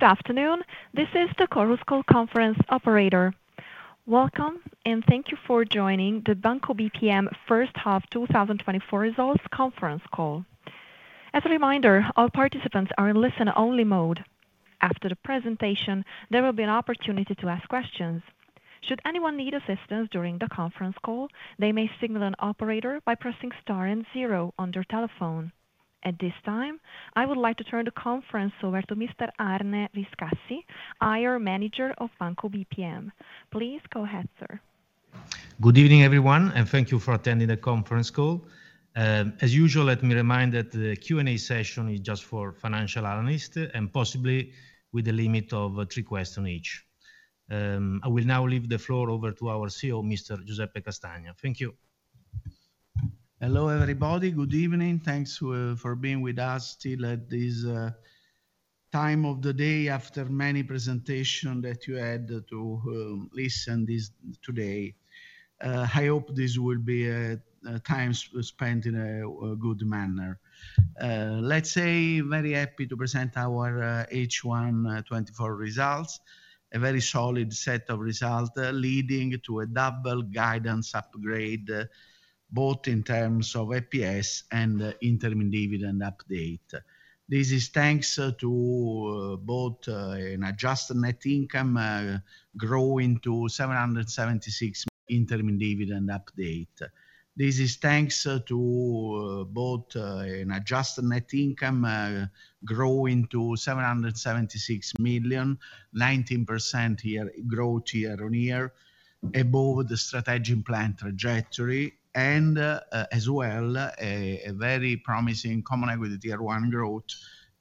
Good afternoon, this is the Chorus Call conference operator. Welcome, and thank you for joining the Banco BPM First Half 2024 Results Conference Call. As a reminder, all participants are in listen-only mode. After the presentation, there will be an opportunity to ask questions. Should anyone need assistance during the conference call, they may signal an operator by pressing star and zero on their telephone. At this time, I would like to turn the conference over to Mr. Arne Riscassi, IR Manager of Banco BPM. Please go ahead, sir. Good evening, everyone, and thank you for attending the conference call. As usual, let me remind that the Q&A session is just for financial analysts, and possibly with a limit of three questions each. I will now leave the floor over to our CEO, Mr. Giuseppe Castagna. Thank you. Hello, everybody. Good evening. Thanks for being with us till at this time of the day after many presentation that you had to listen this today. I hope this will be a time spent in a good manner. Let's say very happy to present our H1 2024 results. A very solid set of results, leading to a double guidance upgrade, both in terms of EPS and interim dividend update. This is thanks to both an adjusted net income growing to 776 interim dividend update. This is thanks to both an adjusted net income growing to 776 million, 19% year-on-year growth, above the strategic plan trajectory, and as well, a very promising common equity tier one growth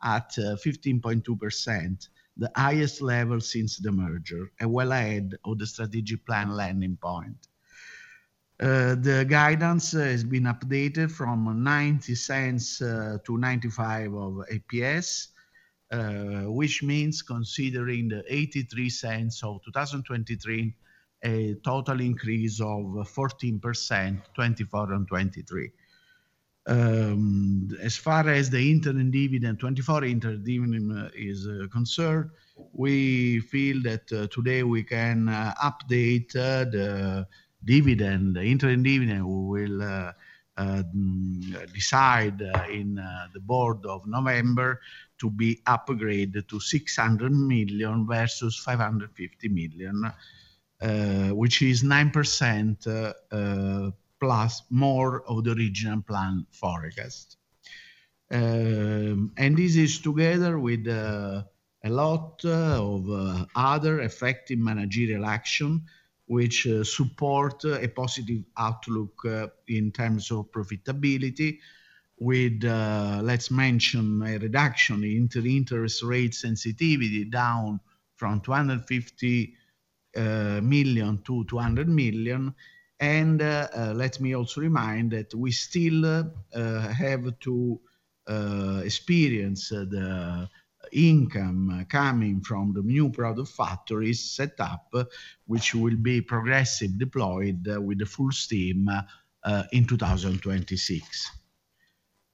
at 15.2%, the highest level since the merger, and well ahead of the strategic plan landing point. The guidance has been updated from 0.90 to 0.95 EPS, which means considering the 0.83 of 2023, a total increase of 14%, 2024 and 2023. As far as the interim dividend, 2024 interim dividend, is concerned, we feel that today we can update the dividend. The interim dividend will decide in the board of November to be upgraded to 600 million versus 550 million, which is 9% plus more of the original plan forecast. This is together with a lot of other effective managerial action, which support a positive outlook in terms of profitability with, let's mention a reduction in the interest rate sensitivity, down from 250 million to 200 million. Let me also remind that we still have to experience the income coming from the new product factories set up, which will be progressive deployed with the full steam in 2026.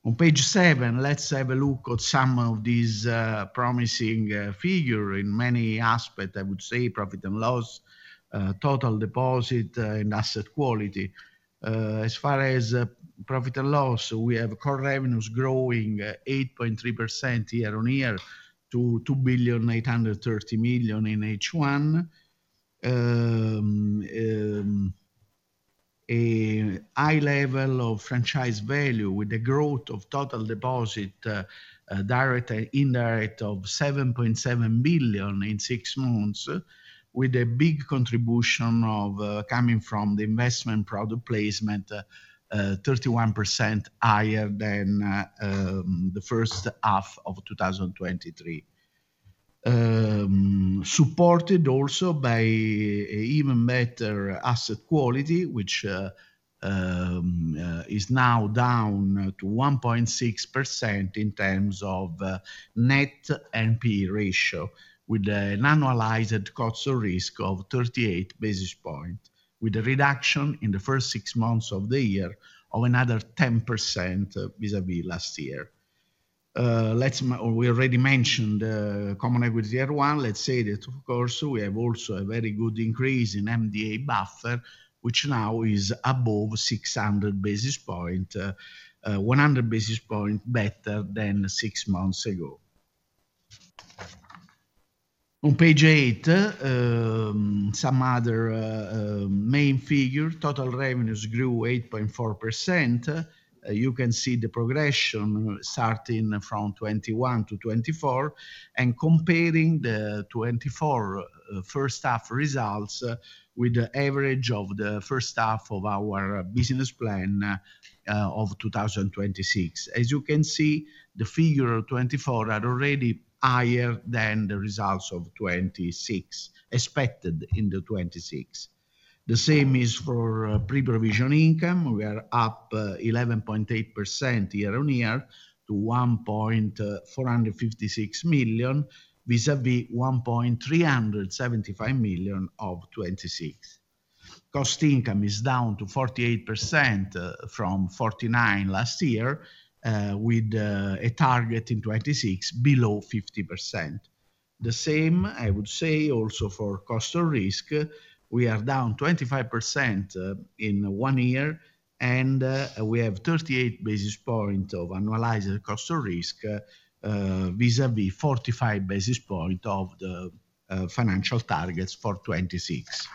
On page seven, let's have a look at some of these promising figure. In many aspects, I would say profit and loss, total deposit, and asset quality. As far as, profit and loss, we have core revenues growing, 8.3% year-on-year to 2.83 billion in H1. A high level of franchise value with the growth of total deposit, direct and indirect of 7.7 billion in six months, with a big contribution of, coming from the investment product placement, 31% higher than, the first half of 2023. Supported also by even better asset quality, which is now down to 1.6% in terms of net NPE ratio, with an annualized cost of risk of 38 basis points, with a reduction in the first six months of the year of another 10% vis-à-vis last year. We already mentioned Common Equity Tier 1. Let's say that of course, we have also a very good increase in MDA buffer, which now is above 600 basis points, 100 basis points better than six months ago. On page eight, some other main figure. Total revenues grew 8.4%. You can see the progression starting from 2021 to 2024, and comparing the 2024 first half results with the average of the first half of our business plan of 2026. As you can see, the figure of 2024 are already higher than the results of 2026, expected in the 2026. The same is for pre-provision income. We are up eleven point eight percent year-on-year to 1,456 million, vis-à-vis 1,375 million of 2026.... Cost income is down to 48%, from 49% last year, with a target in 2026 below 50%. The same, I would say also for cost of risk, we are down 25%, in one year, and we have 38 basis point of annualized cost of risk, vis-à-vis 45 basis point of the financial targets for 2026.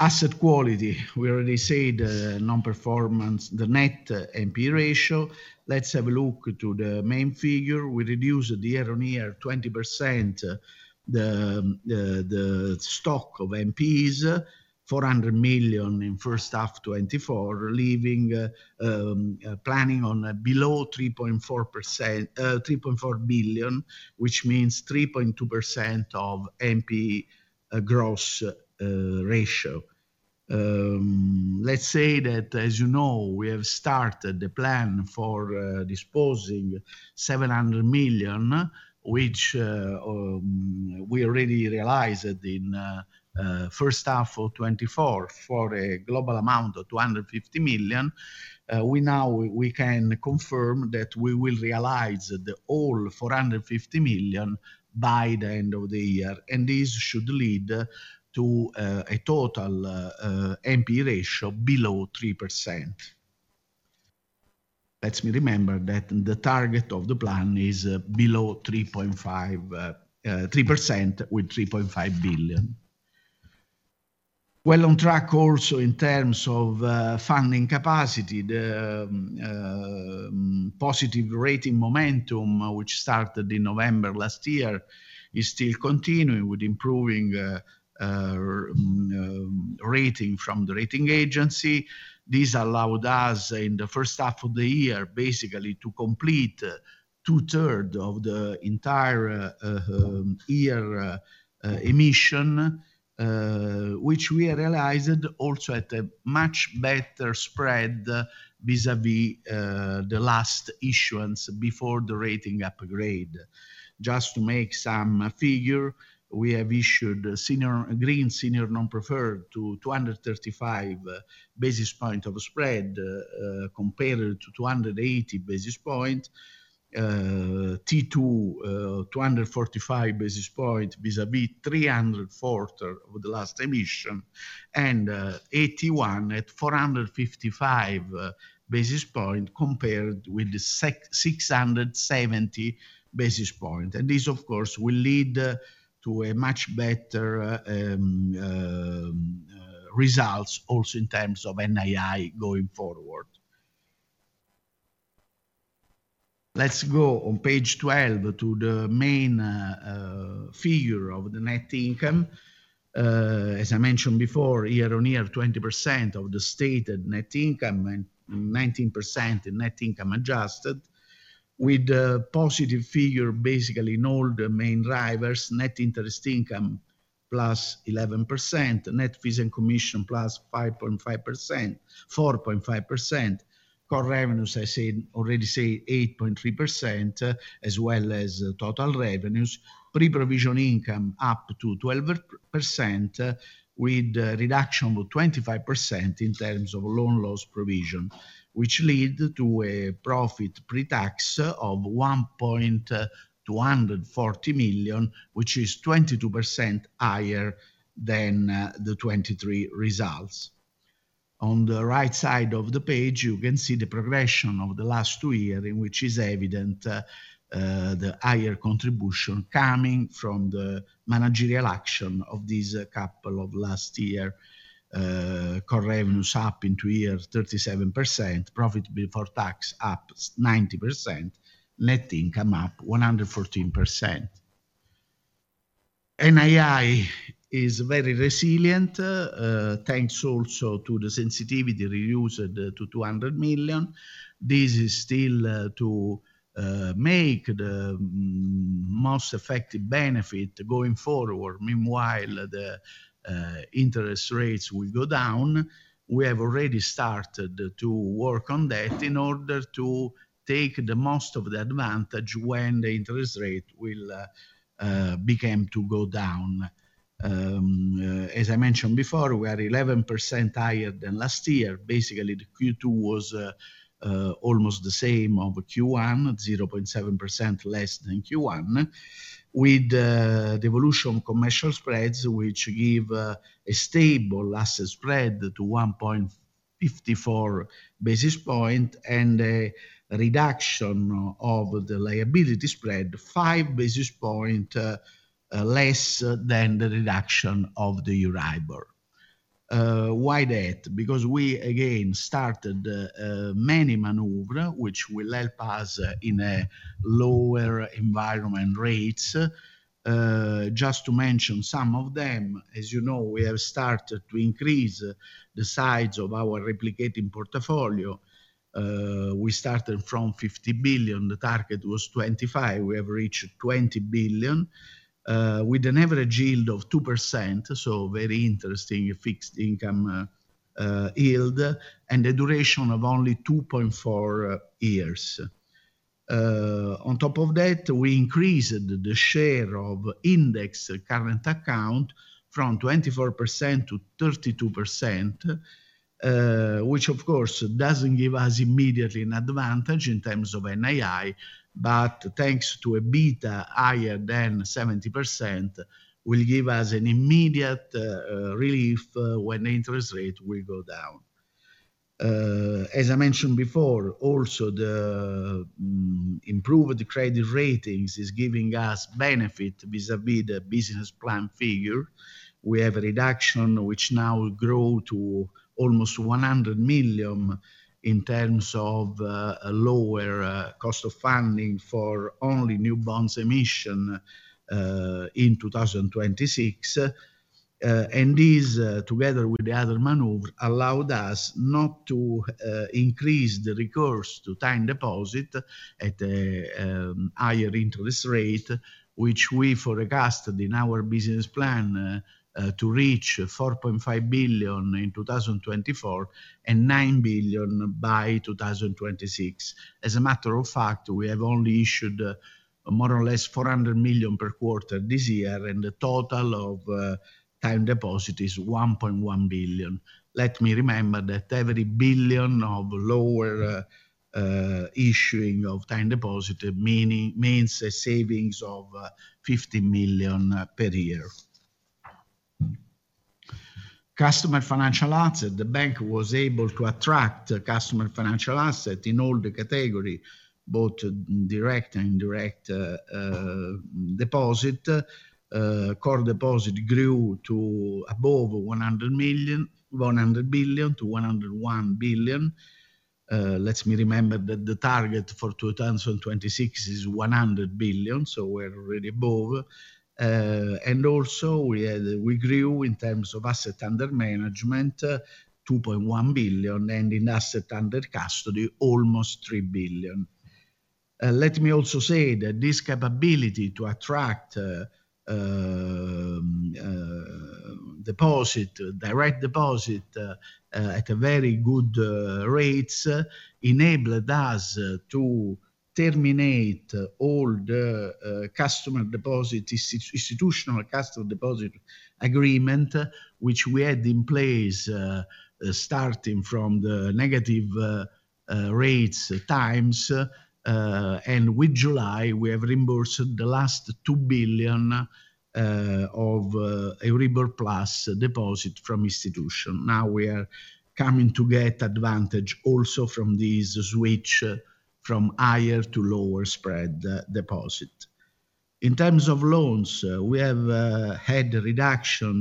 Asset quality. We already said, non-performing, the net NPE ratio. Let's have a look to the main figure. We reduced the year-on-year 20%, the stock of NPEs, 400 million in first half 2024, leaving landing on below 3.4%- 3.4 billion, which means 3.2% of NPE gross ratio. Let's say that, as you know, we have started the plan for disposing 700 million, which we already realized that in first half of 2024, for a global amount of 250 million. We now—we can confirm that we will realize the full 450 million by the end of the year, and this should lead to a total NP ratio below 3%. Let me remember that the target of the plan is below 3.5, 3%, with 3.5 billion. Well, on track also in terms of funding capacity, the positive rating momentum, which started in November last year, is still continuing with improving rating from the rating agency. This allowed us, in the first half of the year, basically to complete 2/3 of the entire year emission, which we realized also at a much better spread vis-à-vis the last issuance before the rating upgrade. Just to make some figure, we have issued green senior non-preferred to 235 basis points of spread, compared to 280 basis points. T2, 245 basis points vis-à-vis 340 of the last emission, and AT1 at 455 basis points, compared with 670 basis points. And this, of course, will lead to a much better results also in terms of NII going forward. Let's go on page 12 to the main figure of the net income. As I mentioned before, year-on-year, 20% of the stated net income and 19% in net income adjusted, with a positive figure, basically in all the main drivers. Net interest income, +11%. Net fees and commission, plus 5.5%—4.5%. Core revenues, I said, already say 8.3%, as well as total revenues. Pre-provision income, up 12%, with a reduction of 25% in terms of loan loss provision, which lead to a profit pre-tax of 124 million, which is 22% higher than the 2023 results. On the right side of the page, you can see the progression of the last two year, in which is evident the higher contribution coming from the managerial action of these couple of last year. Core revenues up in two years, 37%. Profit before tax, up 90%. Net income, up 114%. NII is very resilient, thanks also to the sensitivity reduced to 200 million. This is still to make the most effective benefit going forward. Meanwhile, the interest rates will go down. We have already started to work on that in order to take the most of the advantage when the interest rate will begin to go down. As I mentioned before, we are 11% higher than last year. Basically, the Q2 was almost the same of Q1, 0.7% less than Q1, with the evolution of commercial spreads, which give a stable asset spread to 1.54 basis points and a reduction of the liability spread, 5 basis points less than the reduction of the Euribor. Why that? Because we again started many maneuver, which will help us in a lower environment rates. Just to mention some of them, as you know, we have started to increase the size of our replicating portfolio. We started from 50 billion, the target was 25. We have reached 20 billion, with an average yield of 2%, so very interesting fixed income yield, and a duration of only 2.4 years. On top of that, we increased the share of index current account from 24% to 32%, which of course, doesn't give us immediately an advantage in terms of NII, but thanks to a beta higher than 70%, will give us an immediate relief, when interest rate will go down. As I mentioned before, also the improved credit ratings is giving us benefit vis-à-vis the business plan figure. We have a reduction, which now will grow to almost 100 million in terms of, a lower, cost of funding for only new bonds emission, in 2026. And this, together with the other maneuver, allowed us not to, increase the recourse to time deposit at a, higher interest rate, which we forecasted in our business plan, to reach 4.5 billion in 2024, and 9 billion by 2026. As a matter of fact, we have only issued, more or less 400 million per quarter this year, and the total of, time deposit is 1.1 billion. Let me remember that every billion of lower, issuing of time deposit, meaning- means a savings of, 50 million per year. Customer financial asset. The bank was able to attract customer financial assets in all the categories, both direct and indirect, deposit. Core deposit grew to above 100 billion to 101 billion. Let me remember that the target for 2026 is 100 billion, so we're already above. And also we grew in terms of Assets Under Management, 2.1 billion, and in Assets Under Custody, almost 3 billion. Let me also say that this capability to attract deposit, direct deposit, at a very good rates, enabled us to terminate all the customer deposit, institutional customer deposit agreement, which we had in place, starting from the negative rates times. With July, we have reimbursed the last 2 billion of Euribor plus deposit from institution. Now we are coming to get advantage also from this switch from higher to lower spread, deposit. In terms of loans, we have had a reduction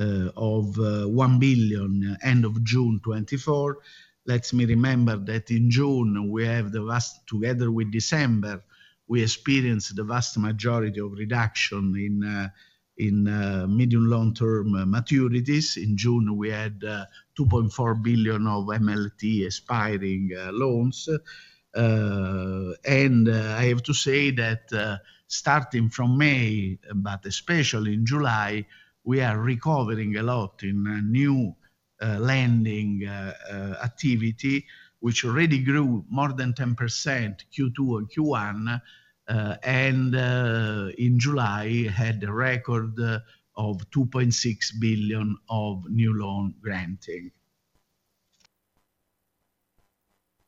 of 1 billion, end of June 2024. Let me remember that in June, we have the last, together with December, we experienced the vast majority of reduction in medium long-term maturities. In June, we had 2.4 billion of MLT expiring loans. And I have to say that, starting from May, but especially in July, we are recovering a lot in new lending activity, which already grew more than 10% Q2 and Q1, and in July, had a record of 2.6 billion of new loan granting.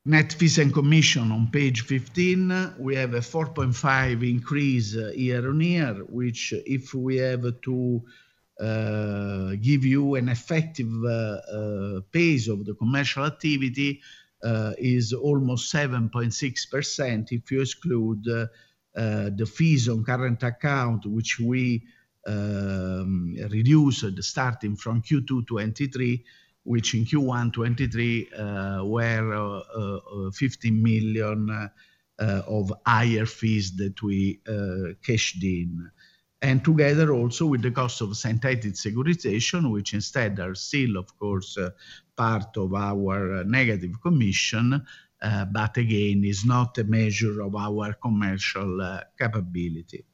Net fees and commissions. On page 15, we have a 4.5% increase year-on-year, which, if we have to give you an effective pace of the commercial activity, is almost 7.6%, if you exclude the fees on current account, which we reduced starting from Q2 2023, which in Q1 2023 were 50 million of higher fees that we cashed in. Together also with the cost of synthetic securitization, which instead are still, of course, part of our net commission, but again, is not a measure of our commercial capability.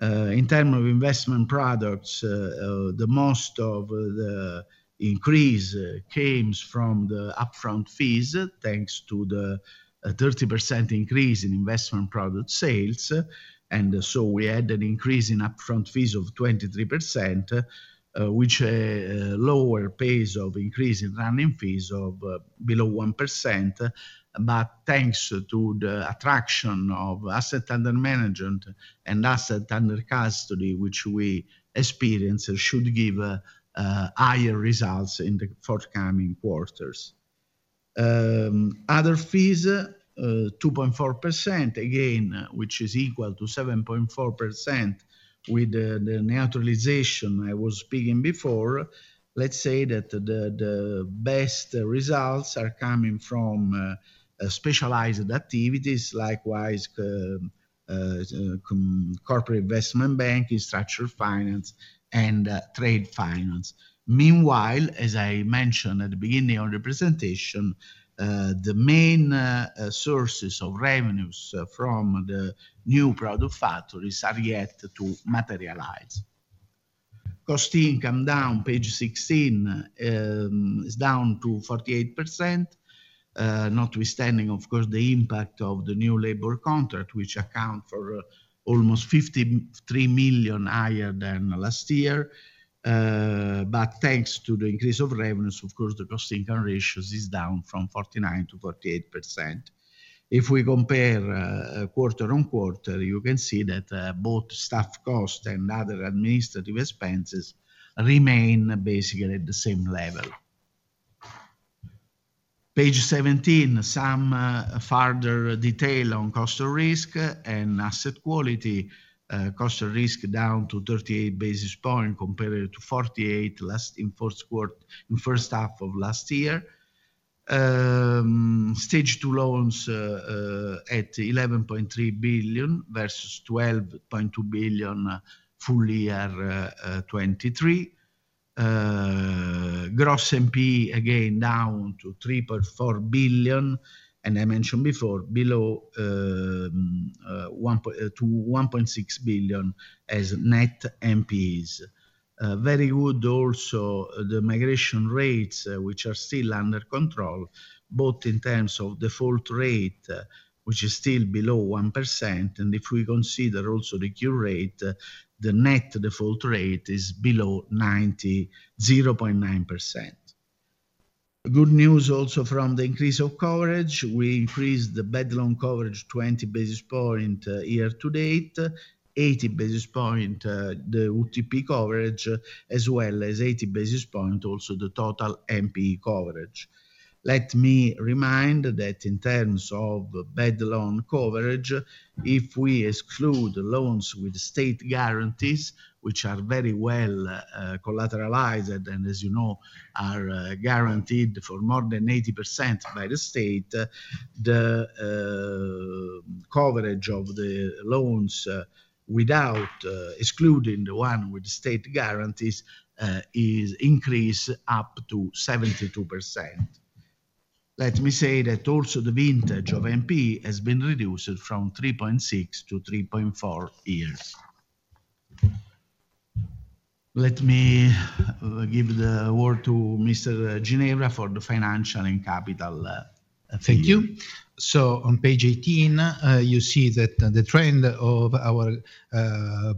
In terms of investment products, the most of the increase comes from the upfront fees, thanks to the 30% increase in investment product sales. And so we had an increase in upfront fees of 23%, which, a lower pace of increase in running fees of below 1%, but thanks to the attraction of assets under management and assets under custody, which we experience, should give higher results in the forthcoming quarters. Other fees, 2.4%, again, which is equal to 7.4% with the neutralization I was speaking before. Let's say that the best results are coming from specialized activities, likewise corporate investment banking, structured finance, and trade finance. Meanwhile, as I mentioned at the beginning of the presentation, the main sources of revenues from the new product factories are yet to materialize. Cost income down, page 16, is down to 48%. Notwithstanding, of course, the impact of the new labor contract, which account for almost 53 million higher than last year. But thanks to the increase of revenues, of course, the cost income ratios is down from 49% to 48%. If we compare quarter-on-quarter, you can see that both staff cost and other administrative expenses remain basically at the same level. Page 17, some further detail on cost of risk and asset quality. Cost of risk down to 38 basis points compared to 48 last year in fourth quarter in first half of last year. Stage 2 loans at 11.3 billion versus 12.2 billion, full year 2023. Gross NPE, again, down to 3.4 billion, and I mentioned before, below 1 billion-1.6 billion as net NPEs. Very good also, the migration rates, which are still under control, both in terms of default rate, which is still below 1%, and if we consider also the cure rate, the net default rate is below 0.9%. Good news also from the increase of coverage. We increased the bad loan coverage 20 basis points year-to-date, 80 basis points, the UTP coverage, as well as 80 basis points, also the total NPE coverage. Let me remind that in terms of bad loan coverage, if we exclude the loans with state guarantees, which are very well collateralized, and as you know, are guaranteed for more than 80% by the state, the coverage of the loans without excluding the one with state guarantees is increased up to 72%. Let me say that also the vintage of NPE has been reduced from 3.6 to 3.4 years. Let me give the word to Mr. Ginevra for the financial and capital view. Thank you. So on page 18, you see that the trend of our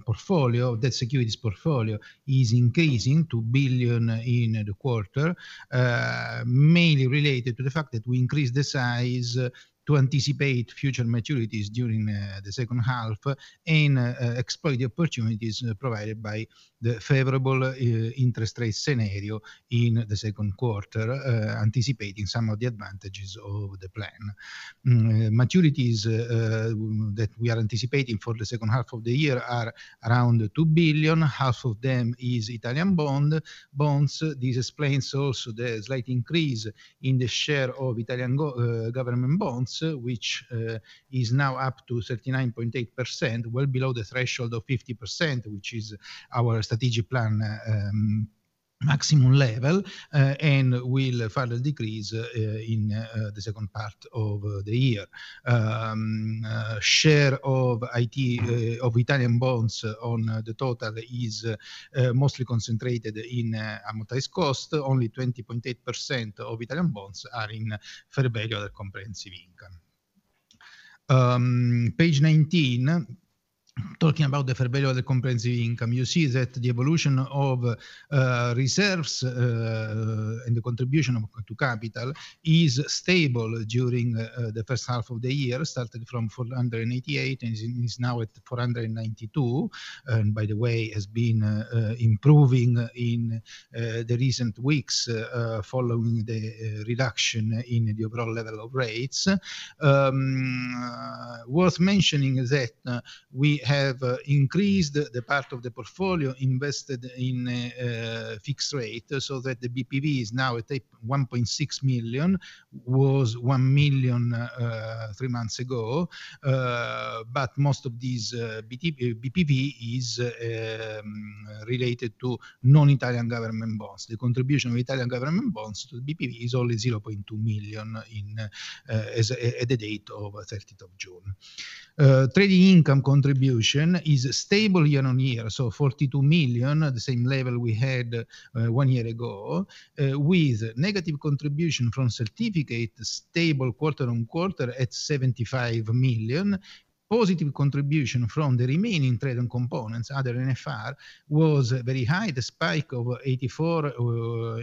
portfolio, the securities portfolio, is increasing to billion in the quarter. Mainly related to the fact that we increased the size to anticipate future maturities during the second half and exploit the opportunities provided by the favorable interest rate scenario in the second quarter, anticipating some of the advantages of the plan. Maturities that we are anticipating for the second half of the year are around 2 billion. Half of them is Italian bonds. This explains also the slight increase in the share of Italian government bonds, which is now up to 39.8%, well below the threshold of 50%, which is our strategic plan maximum level, and will further decrease in the second part of the year. Share of Italian bonds on the total is mostly concentrated in amortized cost. Only 20.8% of Italian bonds are in fair value of comprehensive income. Page 19, talking about the fair value of the comprehensive income, you see that the evolution of reserves and the contribution to capital is stable during the first half of the year, starting from 488, and is now at 492, and by the way, has been improving in the recent weeks following the reduction in the overall level of rates. Worth mentioning is that we have increased the part of the portfolio invested in fixed rate, so that the BPV is now at 1.6 million, was 1 million 3 months ago. But most of these BPV is related to non-Italian government bonds. The contribution of Italian government bonds to the BPV is only 0.2 million, as at the date of thirteenth of June. Trading income contribution is stable year on year, so 42 million, the same level we had, one year ago, with negative contribution from certificate, stable quarter on quarter at 75 million. Positive contribution from the remaining trading components, other than NFR, was very high, the spike of 84,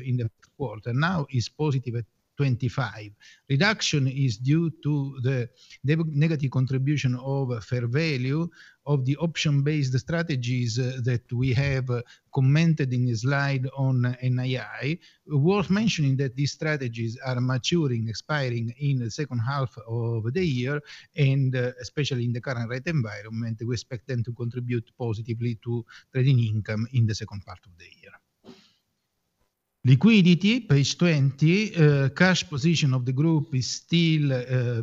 in the quarter, now is positive at 25. Reduction is due to the negative contribution of fair value of the option-based strategies that we have commented in the slide on NII. Worth mentioning that these strategies are maturing, expiring in the second half of the year, and especially in the current rate environment, we expect them to contribute positively to trading income in the second part of the year. Liquidity, page 20. Cash position of the group is still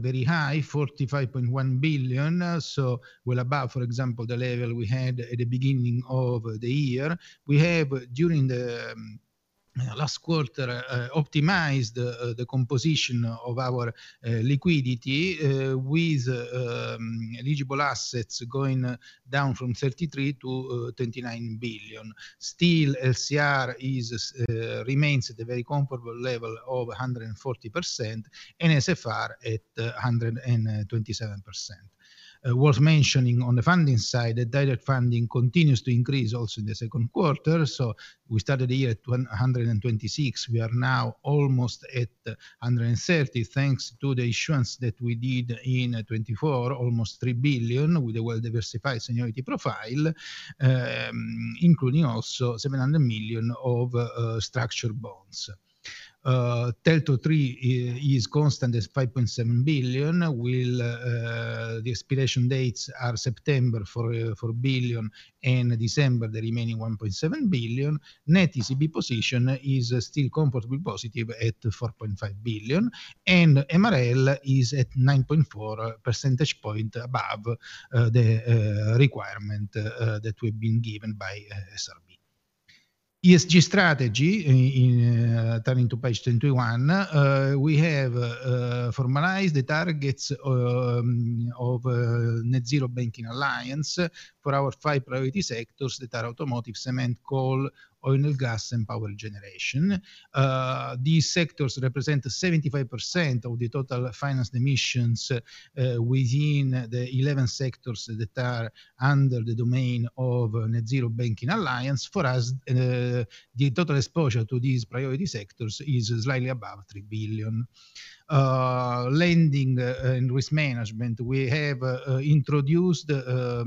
very high, 45.1 billion, so well above, for example, the level we had at the beginning of the year. We have, during the last quarter, optimized the composition of our liquidity with eligible assets going down from 33 billion to 29 billion. Still, LCR remains at a very comfortable level of 140%, and NSFR at 127%. Worth mentioning on the funding side, the direct funding continues to increase also in the second quarter, so we started the year at 126 billion. We are now almost at 130 billion, thanks to the issuance that we did in 2024, almost 3 billion, with a well-diversified seniority profile, including also 700 million of structured bonds. T2 three is constant as 5.7 billion. The expiration dates are September for 4 billion and December the remaining 1.7 billion. Net ECB position is still comfortably positive at 4.5 billion, and MREL is at 9.4 percentage points above the requirement that we've been given by SRB. ESG strategy, in turning to page 21, we have formalized the targets of Net-Zero Banking Alliance for our five priority sectors that are automotive, cement, coal, oil and gas, and power generation. These sectors represent 75% of the total financed emissions within the 11 sectors that are under the domain of Net-Zero Banking Alliance. For us, the total exposure to these priority sectors is slightly above 3 billion. Lending and risk management, we have introduced a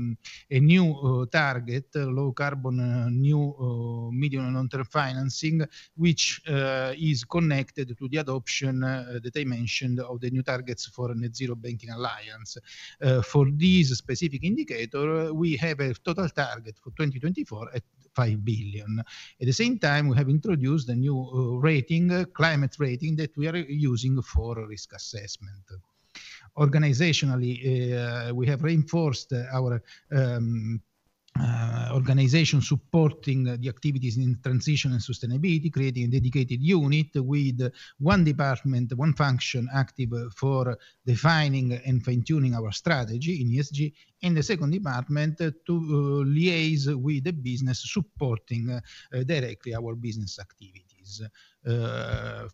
new target, low-carbon new medium and long-term financing, which is connected to the adoption that I mentioned of the new targets for Net-Zero Banking Alliance. For this specific indicator, we have a total target for 2024 at 5 billion. At the same time, we have introduced a new rating, climate rating, that we are using for risk assessment. Organizationally, we have reinforced our organization supporting the activities in transition and sustainability, creating a dedicated unit with one department, one function active for defining and fine-tuning our strategy in ESG. In the second department, to liaise with the business, supporting directly our business activities.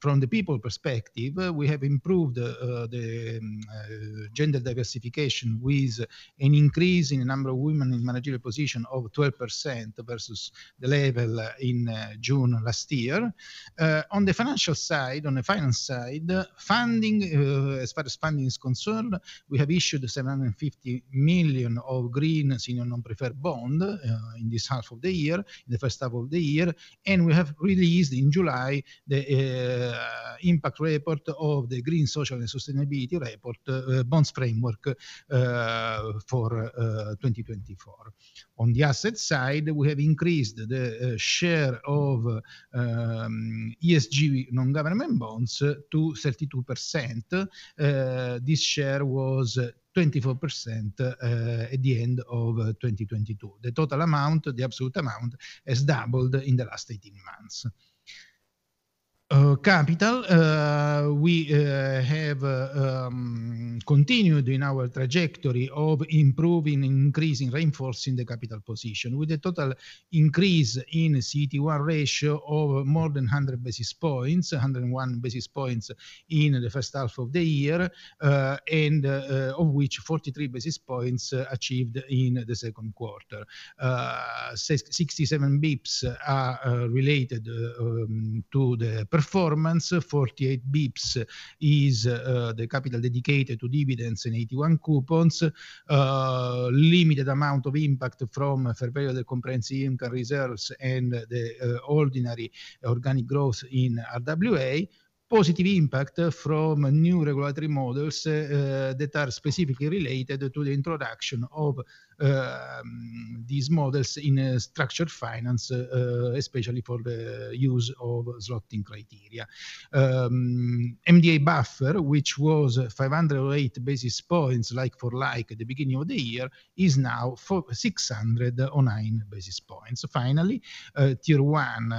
From the people perspective, we have improved the gender diversification, with an increase in the number of women in managerial position of 12% versus the level in June last year. On the financial side, on the finance side, funding, as far as funding is concerned, we have issued 750 million of Green Senior Non-Preferred Bond in this half of the year, in the first half of the year. And we have released in July the impact report of the green social and sustainability report bonds framework for 2024. On the asset side, we have increased the share of ESG non-government bonds to 32%. This share was 24% at the end of 2022. The total amount, the absolute amount, has doubled in the last 18 months. Capital, we have continued in our trajectory of improving and increasing, reinforcing the capital position, with a total increase in CET1 ratio of more than 100 basis points, 101 basis points in the first half of the year, and of which 43 basis points achieved in the second quarter. Sixty-seven basis points are related to the performance. 48 basis points is the capital dedicated to dividends and 81 coupons. Limited amount of impact from fair value of comprehensive income reserves and the ordinary organic growth in RWA. Positive impact from new regulatory models that are specifically related to the introduction of these models in a structured finance, especially for the use of slotting criteria. MDA buffer, which was 508 basis points, like for like, at the beginning of the year, is now 609 basis points. Finally, Tier 1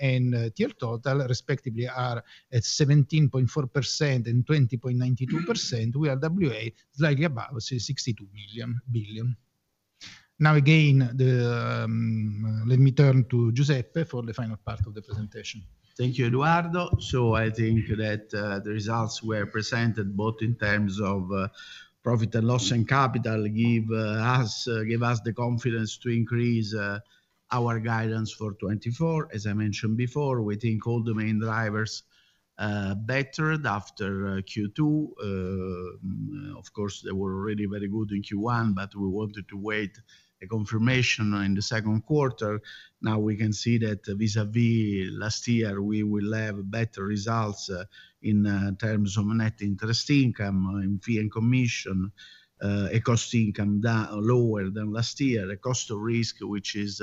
and Tier total respectively are at 17.4% and 20.92%, RWA slightly above EUR 62 billion. Now again, let me turn to Giuseppe for the final part of the presentation. Thank you, Edoardo. So I think that, the results were presented both in terms of, profit and loss and capital, give us, give us the confidence to increase, our guidance for 2024. As I mentioned before, we think all the main drivers, bettered after, Q2. Of course, they were already very good in Q1, but we wanted to wait a confirmation in the second quarter. Now we can see that vis-à-vis last year, we will have better results, in, terms of net interest income, in fee and commission, a cost income lower than last year. A cost of risk, which is,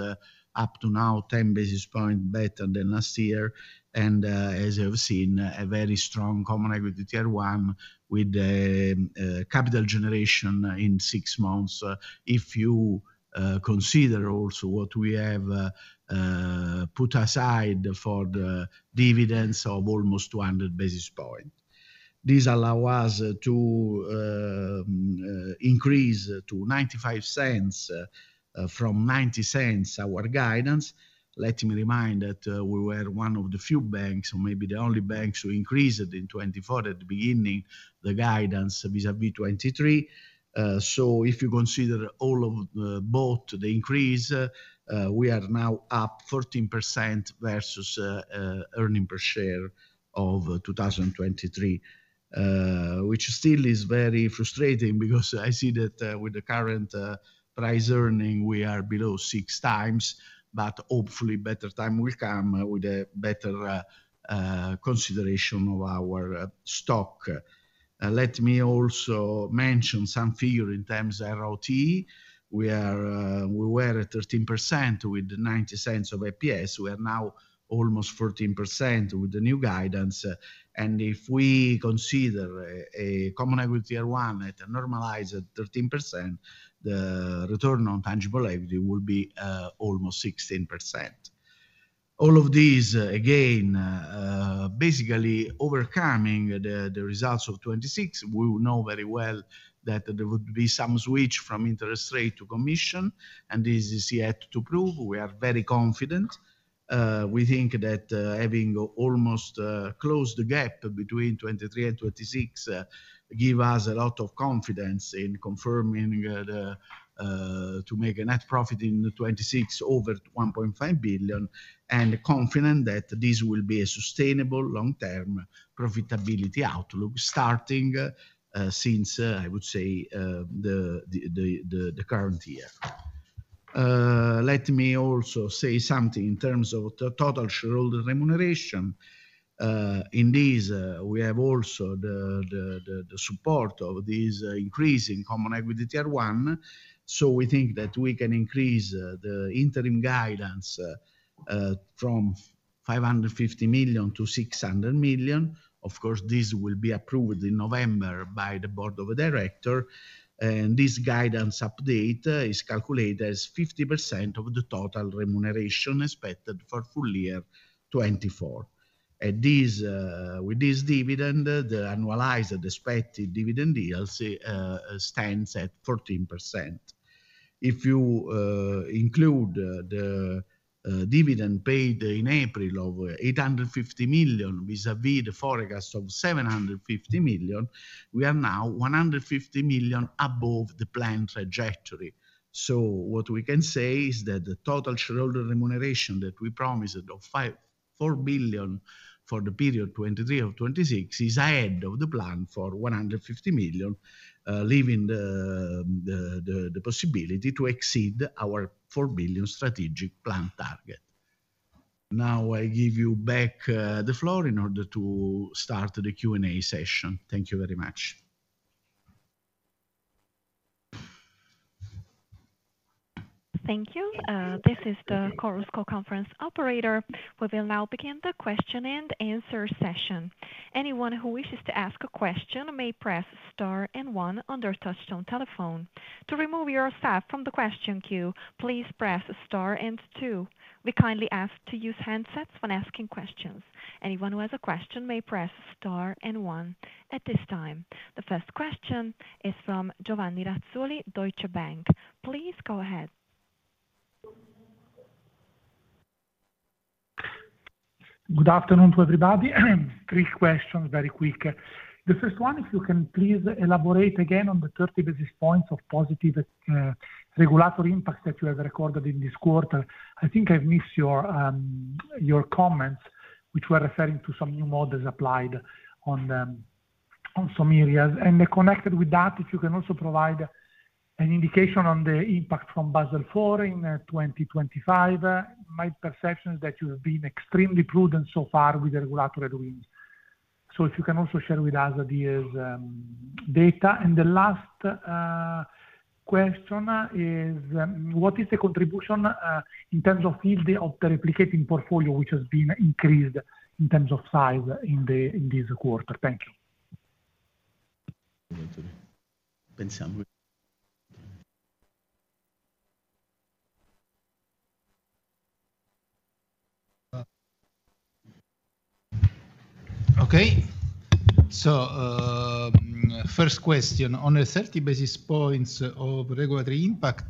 up to now 10 basis points better than last year, and, as you have seen, a very strong Common Equity Tier 1, with, capital generation in six months. If you consider also what we have put aside for the dividends of almost 200 basis points. This allow us to increase to 0.95 from 0.90 our guidance. Let me remind that we were one of the few banks, or maybe the only bank, to increase it in 2024 at the beginning, the guidance vis-à-vis 2023. So if you consider all of both the increase, we are now up 14% versus earnings per share of 2023. Which still is very frustrating, because I see that with the current price earnings, we are below 6x, but hopefully better times will come with a better consideration of our stock. Let me also mention some figure in terms of ROTE. We are. We were at 13% with the 90 cents of EPS. We are now almost 14% with the new guidance. And if we consider common equity one at a normalized 13%, the return on tangible equity will be almost 16%. All of these, again, basically overcoming the results of 2026, we know very well that there would be some switch from interest rate to commission, and this is yet to prove. We are very confident. We think that having almost closed the gap between 2023 and 2026 gives us a lot of confidence in confirming to make a net profit in 2026 over 1.5 billion, and confident that this will be a sustainable long-term profitability outlook, starting since, I would say, the current year. Let me also say something in terms of the total shareholder remuneration. In this, we have also the support of this increase in Common Equity Tier 1. So we think that we can increase the interim guidance from 550 million to 600 million. Of course, this will be approved in November by the board of directors. This guidance update is calculated as 50% of the total remuneration expected for full year 2024. At this, with this dividend, the annualized expected dividend yield stands at 14%. If you include the dividend paid in April of 850 million vis-à-vis the forecast of 750 million, we are now 100 million above the planned trajectory. What we can say is that the total shareholder remuneration that we promised of 5.4 billion for the period 2023 to 2026 is ahead of the plan for 100 million, leaving the possibility to exceed our 4 billion strategic plan target. Now, I give you back the floor in order to start the Q&A session. Thank you very much. Thank you. This is the Chorus Call conference operator. We will now begin the question-and-answer session. Anyone who wishes to ask a question may press star and one on their touchtone telephone. To remove yourself from the question queue, please press star and two. We kindly ask to use handsets when asking questions. Anyone who has a question may press star and one. At this time, the first question is from Giovanni Razzoli, Deutsche Bank. Please go ahead. Good afternoon to everybody. Three questions, very quick. The first one, if you can please elaborate again on the 30 basis points of positive regulatory impact that you have recorded in this quarter. I think I've missed your comments, which were referring to some new models applied on some areas. And connected with that, if you can also provide an indication on the impact from Basel IV in 2025. My perception is that you've been extremely prudent so far with the regulatory wins. So if you can also share with us the year's data. And the last question is: what is the contribution in terms of yield of the replicating portfolio, which has been increased in terms of size in this quarter? Thank you. Okay. So, first question. On the 30 basis points of regulatory impact,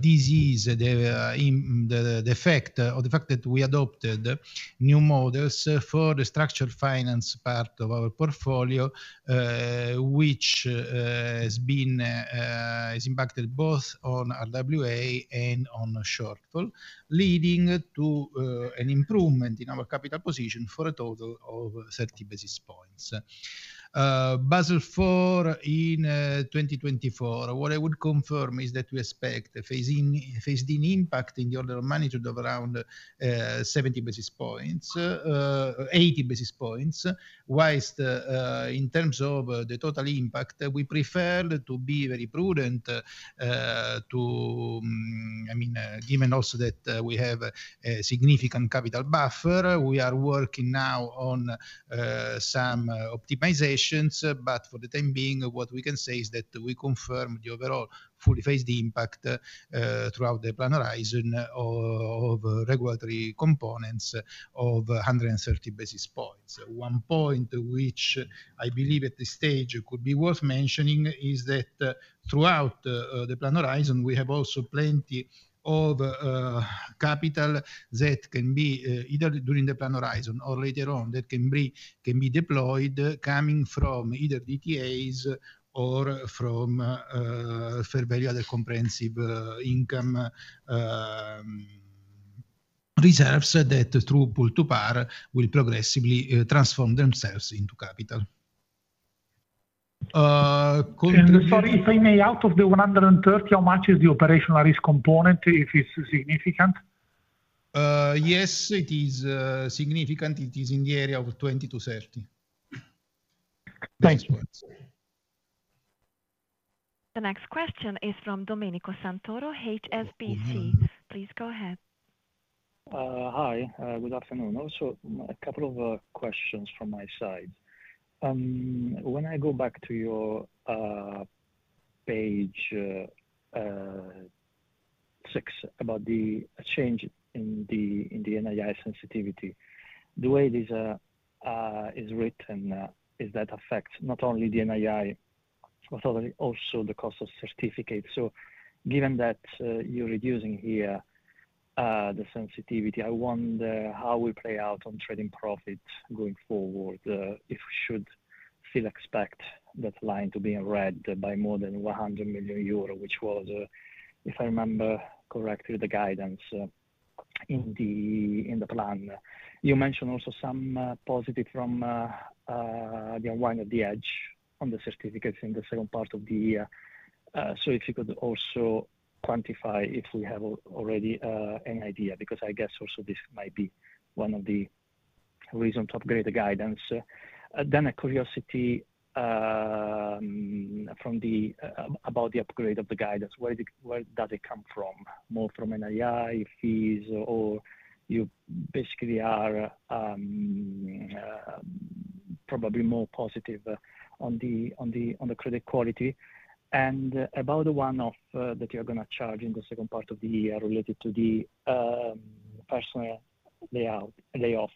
this is the effect or the fact that we adopted new models for the structured finance part of our portfolio, which has impacted both on RWA and on shortfall, leading to an improvement in our capital position for a total of 30 basis points. Basel IV in 2024, what I would confirm is that we expect a phased-in impact in the order of magnitude of around 70-80 basis points. While in terms of the total impact, we prefer to be very prudent, I mean, given also that we have a significant capital buffer, we are working now on some optimizations. But for the time being, what we can say is that we confirm the overall fully phased-in impact, throughout the plan horizon of regulatory components of 130 basis points. One point which I believe at this stage could be worth mentioning, is that, throughout the, the plan horizon, we have also plenty of, capital that can be, either during the plan horizon or later on, that can be, can be deployed, coming from either DTAs or from, fair value of comprehensive income, Reserves that through pull to par will progressively transform themselves into capital. Contribution- Sorry, if I may, out of the 130 basis points, how much is the operational risk component, if it's significant? Yes, it is significant. It is in the area of 20 basis points-30. Thank you. The next question is from Domenico Santoro, HSBC. Please go ahead. Hi, good afternoon. Also, a couple of questions from my side. When I go back to your page six, about the change in the NII sensitivity, the way this is written is that affects not only the NII, but also the cost of certificates. So given that, you're reducing here the sensitivity, I wonder how we play out on trading profit going forward, if we should still expect that line to be in red by more than 100 million euro, which was, if I remember correctly, the guidance in the plan. You mentioned also some positive from the unwind of the hedge on the certificates in the second part of the year. So, if you could also quantify if we have already an idea, because I guess also this might be one of the reasons to upgrade the guidance. Then a curiosity from the about the upgrade of the company. Where does it come from? More from NII fees, or you basically are probably more positive on the credit quality. And about the one-off that you're gonna charge in the second part of the year related to the personnel layoff.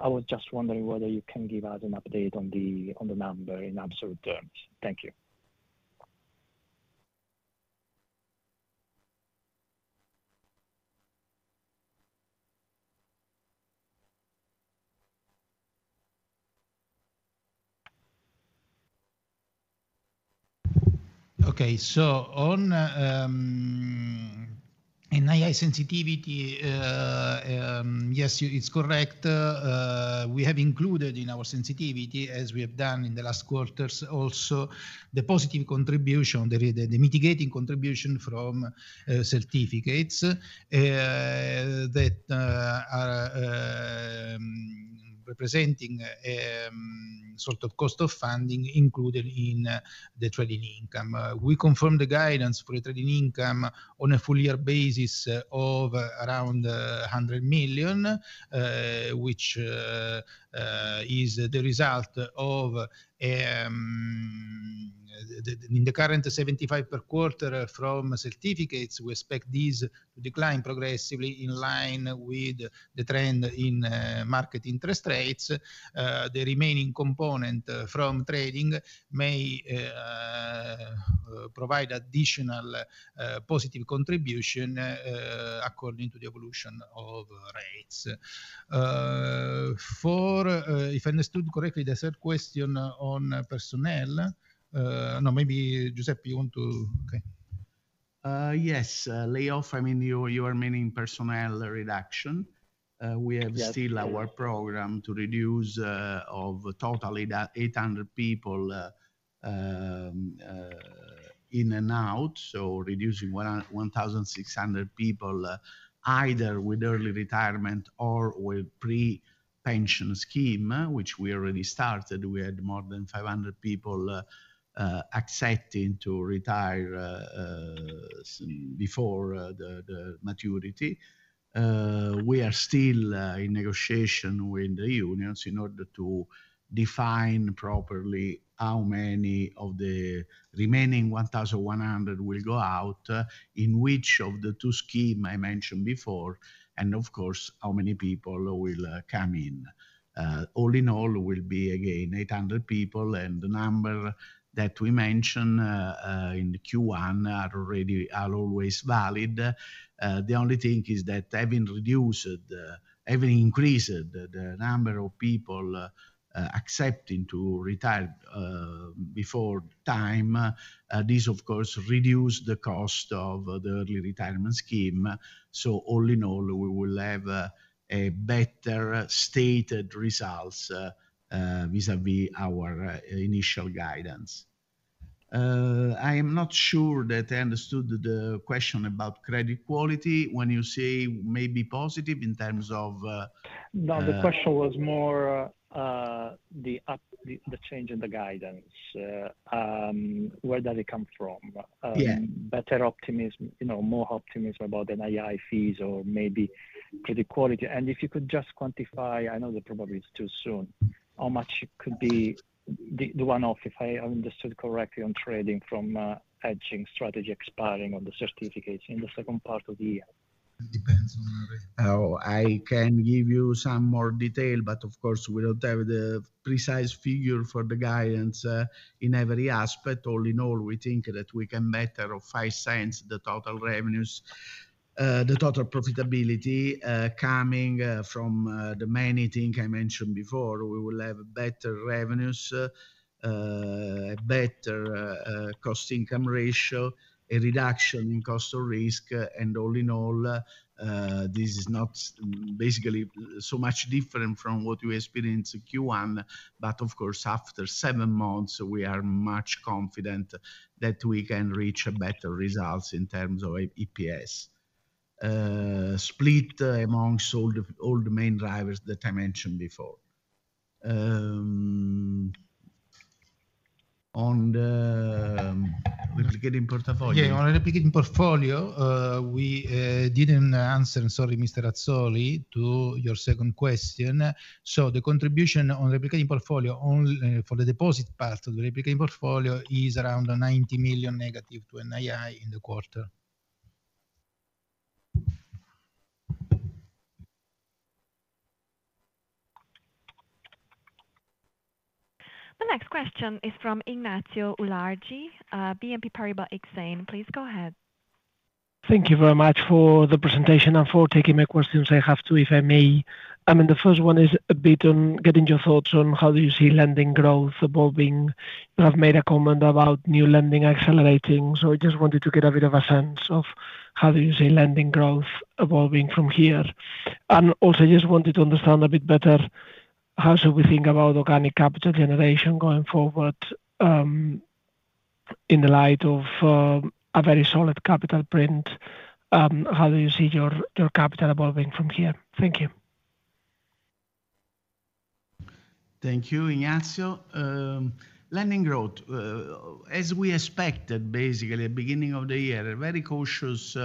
I was just wondering whether you can give us an update on the number in absolute terms. Thank you. Okay. So on NII sensitivity, yes, you... It's correct. We have included in our sensitivity, as we have done in the last quarters, also the positive contribution, the mitigating contribution from certificates that are representing sort of cost of funding included in the trading income. We confirm the guidance for the trading income on a full year basis of around 100 million, which is the result of the current 75 per quarter from certificates. We expect these to decline progressively in line with the trend in market interest rates. The remaining component from trading may provide additional positive contribution according to the evolution of rates. For, if I understood correctly, the third question on personnel... No, maybe, Giuseppe, you want to- Okay. Yes, layoff, I mean, you are meaning personnel reduction. We have- Yes Still our program to reduce of totally the 800 people in and out, so reducing 1,600 people, either with early retirement or with pre-pension scheme, which we already started. We had more than 500 people accepting to retire before the maturity. We are still in negotiation with the unions in order to define properly how many of the remaining 1,100 will go out, in which of the two scheme I mentioned before, and of course, how many people will come in. All in all, will be again 800 people, and the number that we mentioned in Q1 are already, are always valid. The only thing is that having increased the number of people accepting to retire before time, this of course reduce the cost of the early retirement scheme. So all in all, we will have a better stated results vis-à-vis our initial guidance. I am not sure that I understood the question about credit quality. When you say maybe positive in terms of, No, the question was more the change in the guidance. Where does it come from? Yeah. Better optimism, you know, more optimism about NII fees or maybe credit quality. And if you could just quantify, I know that probably it's too soon, how much it could be the one-off, if I understood correctly, on trading from hedging strategy expiring of the certificates in the second part of the year? It depends on how... I can give you some more detail, but of course, we don't have the precise figure for the guidance in every aspect. All in all, we think that we can matter of 0.05, the total revenues, the total profitability, coming from the many things I mentioned before. We will have better revenues, a better cost income ratio, a reduction in cost of risk, and all in all, this is not basically so much different from what you experienced in Q1. But of course, after seven months, we are much confident that we can reach better results in terms of EPS split amongst all the main drivers that I mentioned before. On the- Replicating portfolio? Yeah, on replicating portfolio, we didn't answer. Sorry, Mr. Razzoli, to your second question. So the contribution on replicating portfolio only, for the deposit part of the replicating portfolio is around 90 million negative to NII in the quarter. The next question is from Ignacio Ulargui, BNP Paribas Exane. Please go ahead. Thank you very much for the presentation and for taking my questions. I have two, if I may. I mean, the first one is a bit on getting your thoughts on: How do you see lending growth evolving? You have made a comment about new lending accelerating, so I just wanted to get a bit of a sense of how do you see lending growth evolving from here. And also, I just wanted to understand a bit better, how should we think about organic capital generation going forward, in the light of, a very solid capital print? How do you see your, your capital evolving from here? Thank you. Thank you, Ignacio. Lending growth, as we expected, basically, at beginning of the year, a very cautious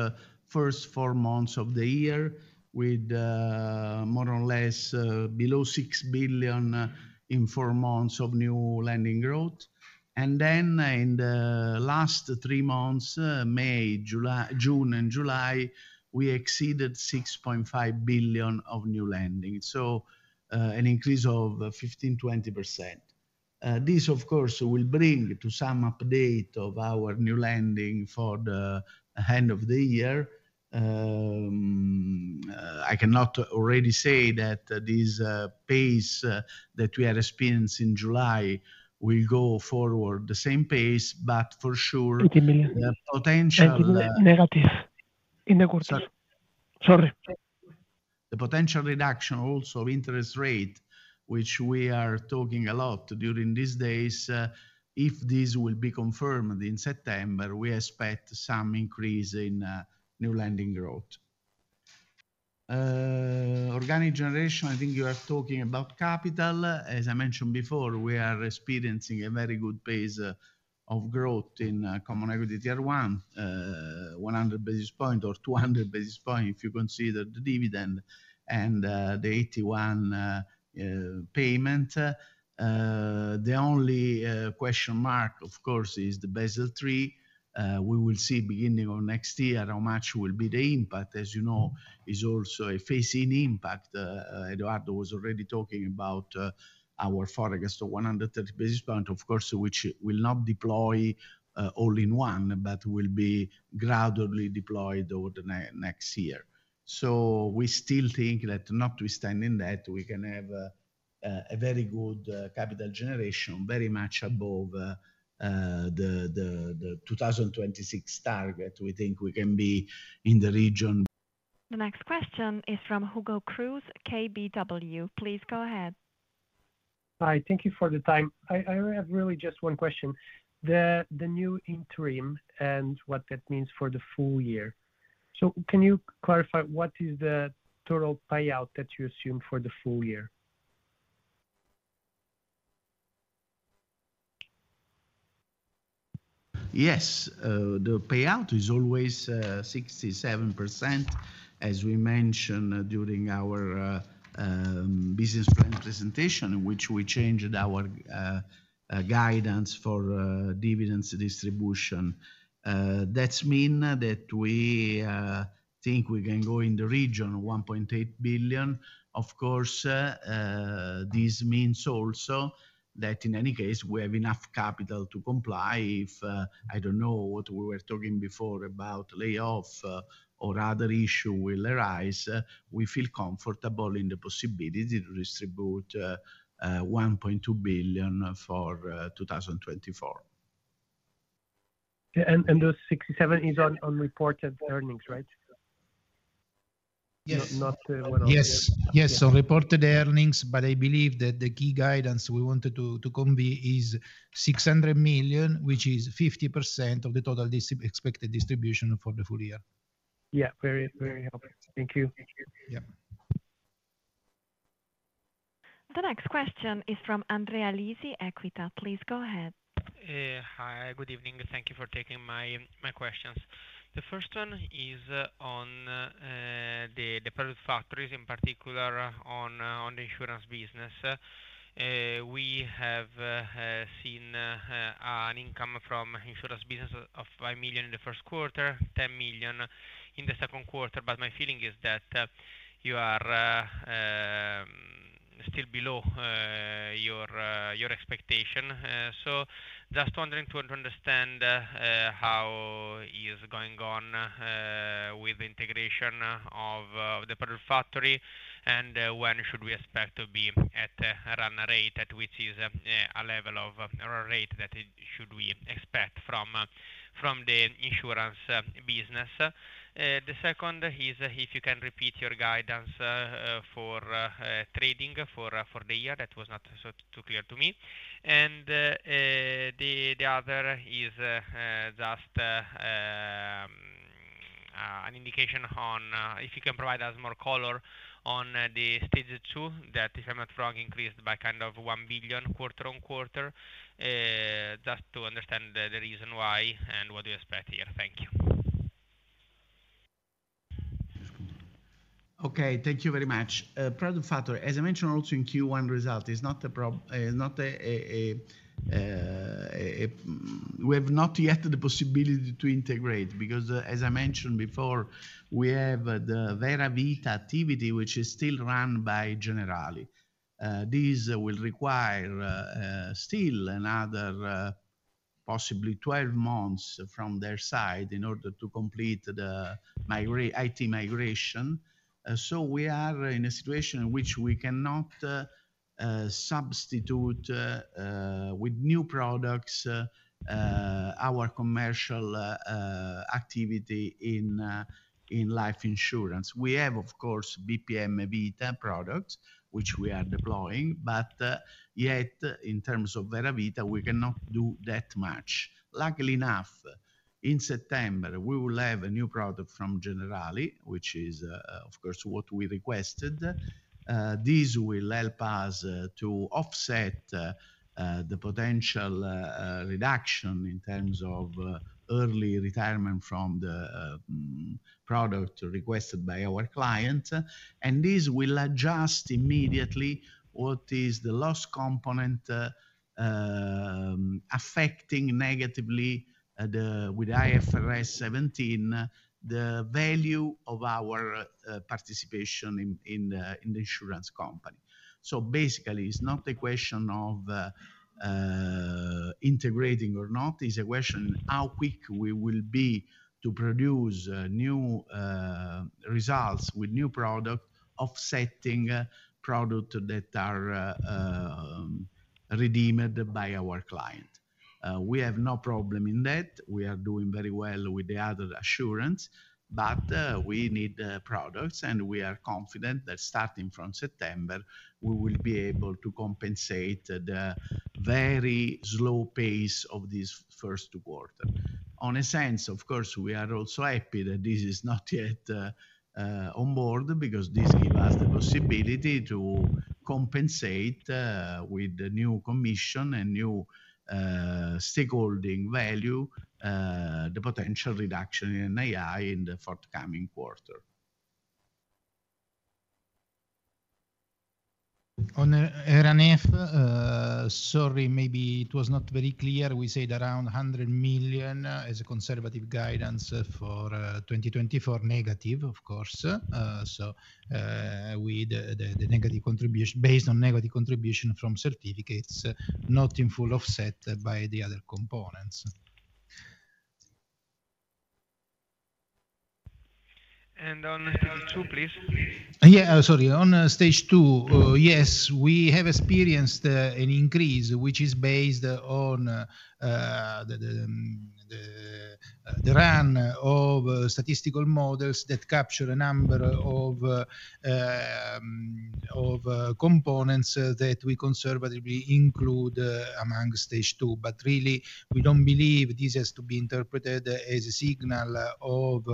first four months of the year, with more or less below 6 billion in four months of new lending growth. And then in the last three months, May, June and July, we exceeded 6.5 billion of new lending, so an increase of 15%-20%. This, of course, will bring to some update of our new lending for the end of the year. I cannot already say that this pace that we are experiencing in July will go forward the same pace, but for sure- Fifty million The potential, Negative in the quarter. Sorry. Sorry. The potential reduction also interest rate, which we are talking a lot during these days, if this will be confirmed in September, we expect some increase in, new lending growth. Organic generation, I think you are talking about capital. As I mentioned before, we are experiencing a very good pace, of growth in, Common Equity Tier 1, 100 basis point or 200 basis point, if you consider the dividend and, the AT1, payment. The only, question mark, of course, is the Basel III. We will see beginning of next year, how much will be the impact. As you know, is also a phase-in impact. Edoardo was already talking about our forecast of 130 basis point, of course, which will not deploy all in one, but will be gradually deployed over the next year. So we still think that notwithstanding that, we can have a very good capital generation, very much above the 2026 target. We think we can be in the region. The next question is from Hugo Cruz, KBW. Please go ahead. Hi, thank you for the time. I have really just one question: the new interim and what that means for the full year. Can you clarify what is the total payout that you assume for the full year? Yes. The payout is always 67%, as we mentioned during our business plan presentation, in which we changed our guidance for dividends distribution. That's mean that we think we can go in the region of 1.8 billion. Of course, this means also that in any case, we have enough capital to comply. If I don't know, what we were talking before about layoff, or other issue will arise, we feel comfortable in the possibility to distribute 1.2 billion for 2024. Okay. And those 67 is on reported earnings, right? Yes. Not, not- Yes. Yes, on reported earnings, but I believe that the key guidance we wanted to convey is 600 million, which is 50% of the total expected distribution for the full year. Yeah, very, very helpful. Thank you. Yeah. The next question is from Andrea Lisi, Equita. Please go ahead. Hi, good evening. Thank you for taking my questions. The first one is on the product factories, in particular on the insurance business. We have seen an income from insurance business of 5 million in the first quarter, 10 million in the second quarter, but my feeling is that you are still below your expectation. So just wondering to understand how is going on with integration of the product factory, and when should we expect to be at a run rate at which is a level of or a rate that should we expect from the insurance business? The second is if you can repeat your guidance for trading for the year. That was not so too clear to me. And the other is indication on if you can provide us more color on the Stage 2, that, if I'm not wrong, increased by kind of 1 billion quarter on quarter. Just to understand the reason why and what do you expect here? Thank you. Okay, thank you very much. Product factory, as I mentioned also in Q1 result, we have not yet the possibility to integrate. Because as I mentioned before, we have the Vera Vita activity, which is still run by Generali. This will require still another possibly 12 months from their side in order to complete the IT migration. So we are in a situation in which we cannot substitute with new products our commercial activity in life insurance. We have, of course, BPM Vita products, which we are deploying, but yet in terms of Vera Vita, we cannot do that much. Luckily enough, in September, we will have a new product from Generali, which is, of course, what we requested. This will help us to offset the potential reduction in terms of early retirement from the product requested by our client. And this will adjust immediately what is the last component affecting negatively the value with IFRS 17, the value of our participation in the insurance company. So basically, it's not a question of integrating or not, it's a question how quick we will be to produce new results with new product offsetting product that are redeemed by our client. We have no problem in that. We are doing very well with the other insurance, but we need products, and we are confident that starting from September, we will be able to compensate the very slow pace of this first quarter. In a sense, of course, we are also happy that this is not yet on board, because this give us the possibility to compensate with the new commission and new stakeholding value the potential reduction in AI in the forthcoming quarter. On NFR, sorry, maybe it was not very clear. We said around 100 million as a conservative guidance for 2020, for negative, of course. So, with the negative contribution, based on negative contribution from certificates, not in full offset by the other components. On stage three, please? Yeah, sorry. On stage two, yes, we have experienced an increase, which is based on the run of statistical models that capture a number of components that we conservatively include among stage two. But really, we don't believe this has to be interpreted as a signal of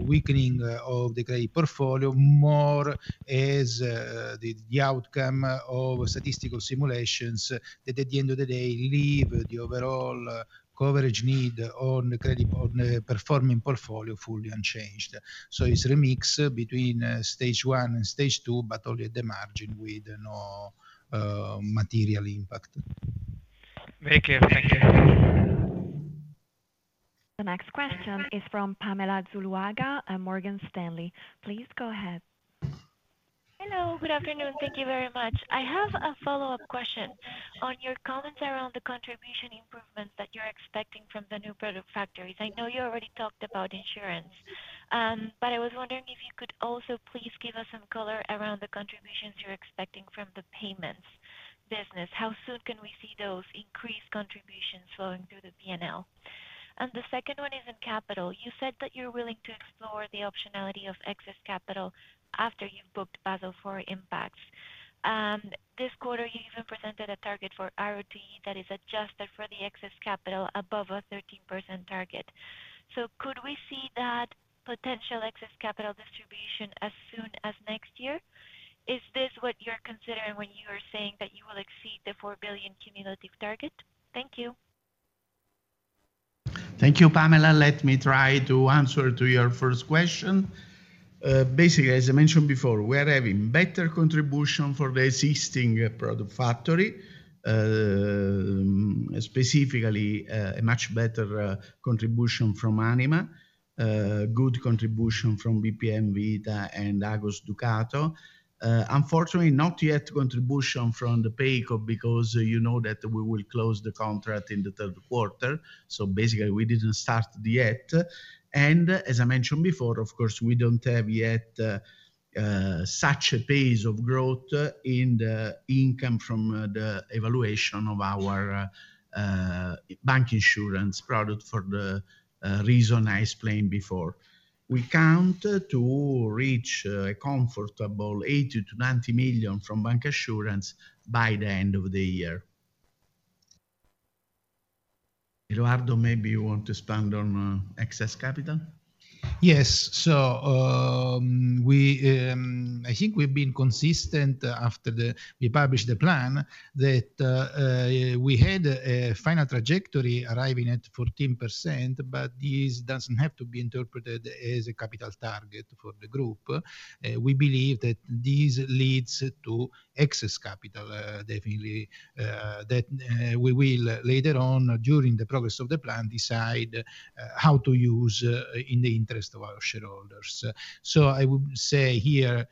weakening of the credit portfolio, more as the outcome of statistical simulations that at the end of the day leave the overall coverage need on the credit port... performing portfolio fully unchanged. So it's a mix between stage one and stage two, but only at the margin with no material impact. Very clear. Thank you. The next question is from Pamela Zuluaga at Morgan Stanley. Please go ahead. Hello, good afternoon. Thank you very much. I have a follow-up question on your comments around the contribution improvements that you're expecting from the new product factories. I know you already talked about insurance, but I was wondering if you could also please give us some color around the contributions you're expecting from the payments business. How soon can we see those increased contributions flowing through the PNL? And the second one is in capital. You said that you're willing to explore the optionality of excess capital after you've booked Basel IV impacts. This quarter, you even presented a target for ROTE that is adjusted for the excess capital above a 13% target. So could we see that potential excess capital distribution as soon as next year? Is this what you're considering when you are saying that you will exceed the 4 billion cumulative target? Thank you. Thank you, Pamela. Let me try to answer to your first question. Basically, as I mentioned before, we are having better contribution for the existing product factory. Specifically, a much better contribution from Anima, good contribution from BPM Vita and Agos Ducato. Unfortunately, not yet contribution from the PayCo, because you know that we will close the contract in the third quarter, so basically we didn't start yet. And as I mentioned before, of course, we don't have yet such a pace of growth in the income from the evaluation of our bank insurance product for the reason I explained before. We count to reach a comfortable 80 million-90 million from bank insurance by the end of the year... Edoardo, maybe you want to expand on excess capital? Yes. So, I think we've been consistent after we published the plan, that we had a final trajectory arriving at 14%, but this doesn't have to be interpreted as a capital target for the group. We believe that this leads to excess capital, definitely, that we will later on, during the progress of the plan, decide how to use in the interest of our shareholders. So I would say here,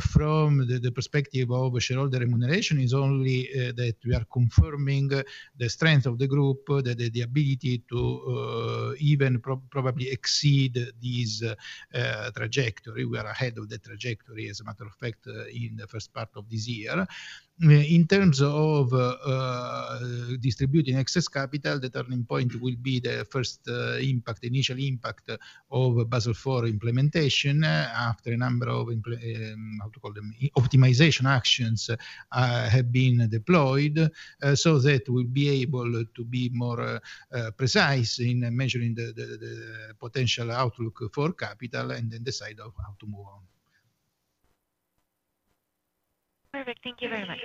from the perspective of shareholder remuneration, is only that we are confirming the strength of the group, the ability to even probably exceed this trajectory. We are ahead of the trajectory, as a matter of fact, in the first part of this year. In terms of distributing excess capital, the turning point will be the first impact, initial impact of Basel IV implementation, after a number of—how to call them? Optimization actions have been deployed, so that we'll be able to be more precise in measuring the potential outlook for capital and then decide how to move on. Perfect. Thank you very much.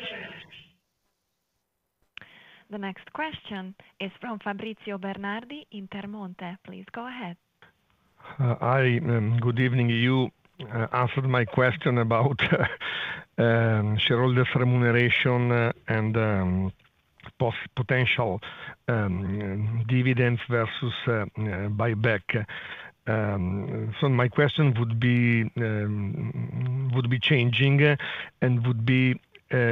The next question is from Fabrizio Bernardi, Intermonte. Please go ahead. Hi, good evening. You answered my question about shareholders' remuneration and potential dividends versus buyback. So my question would be, would be,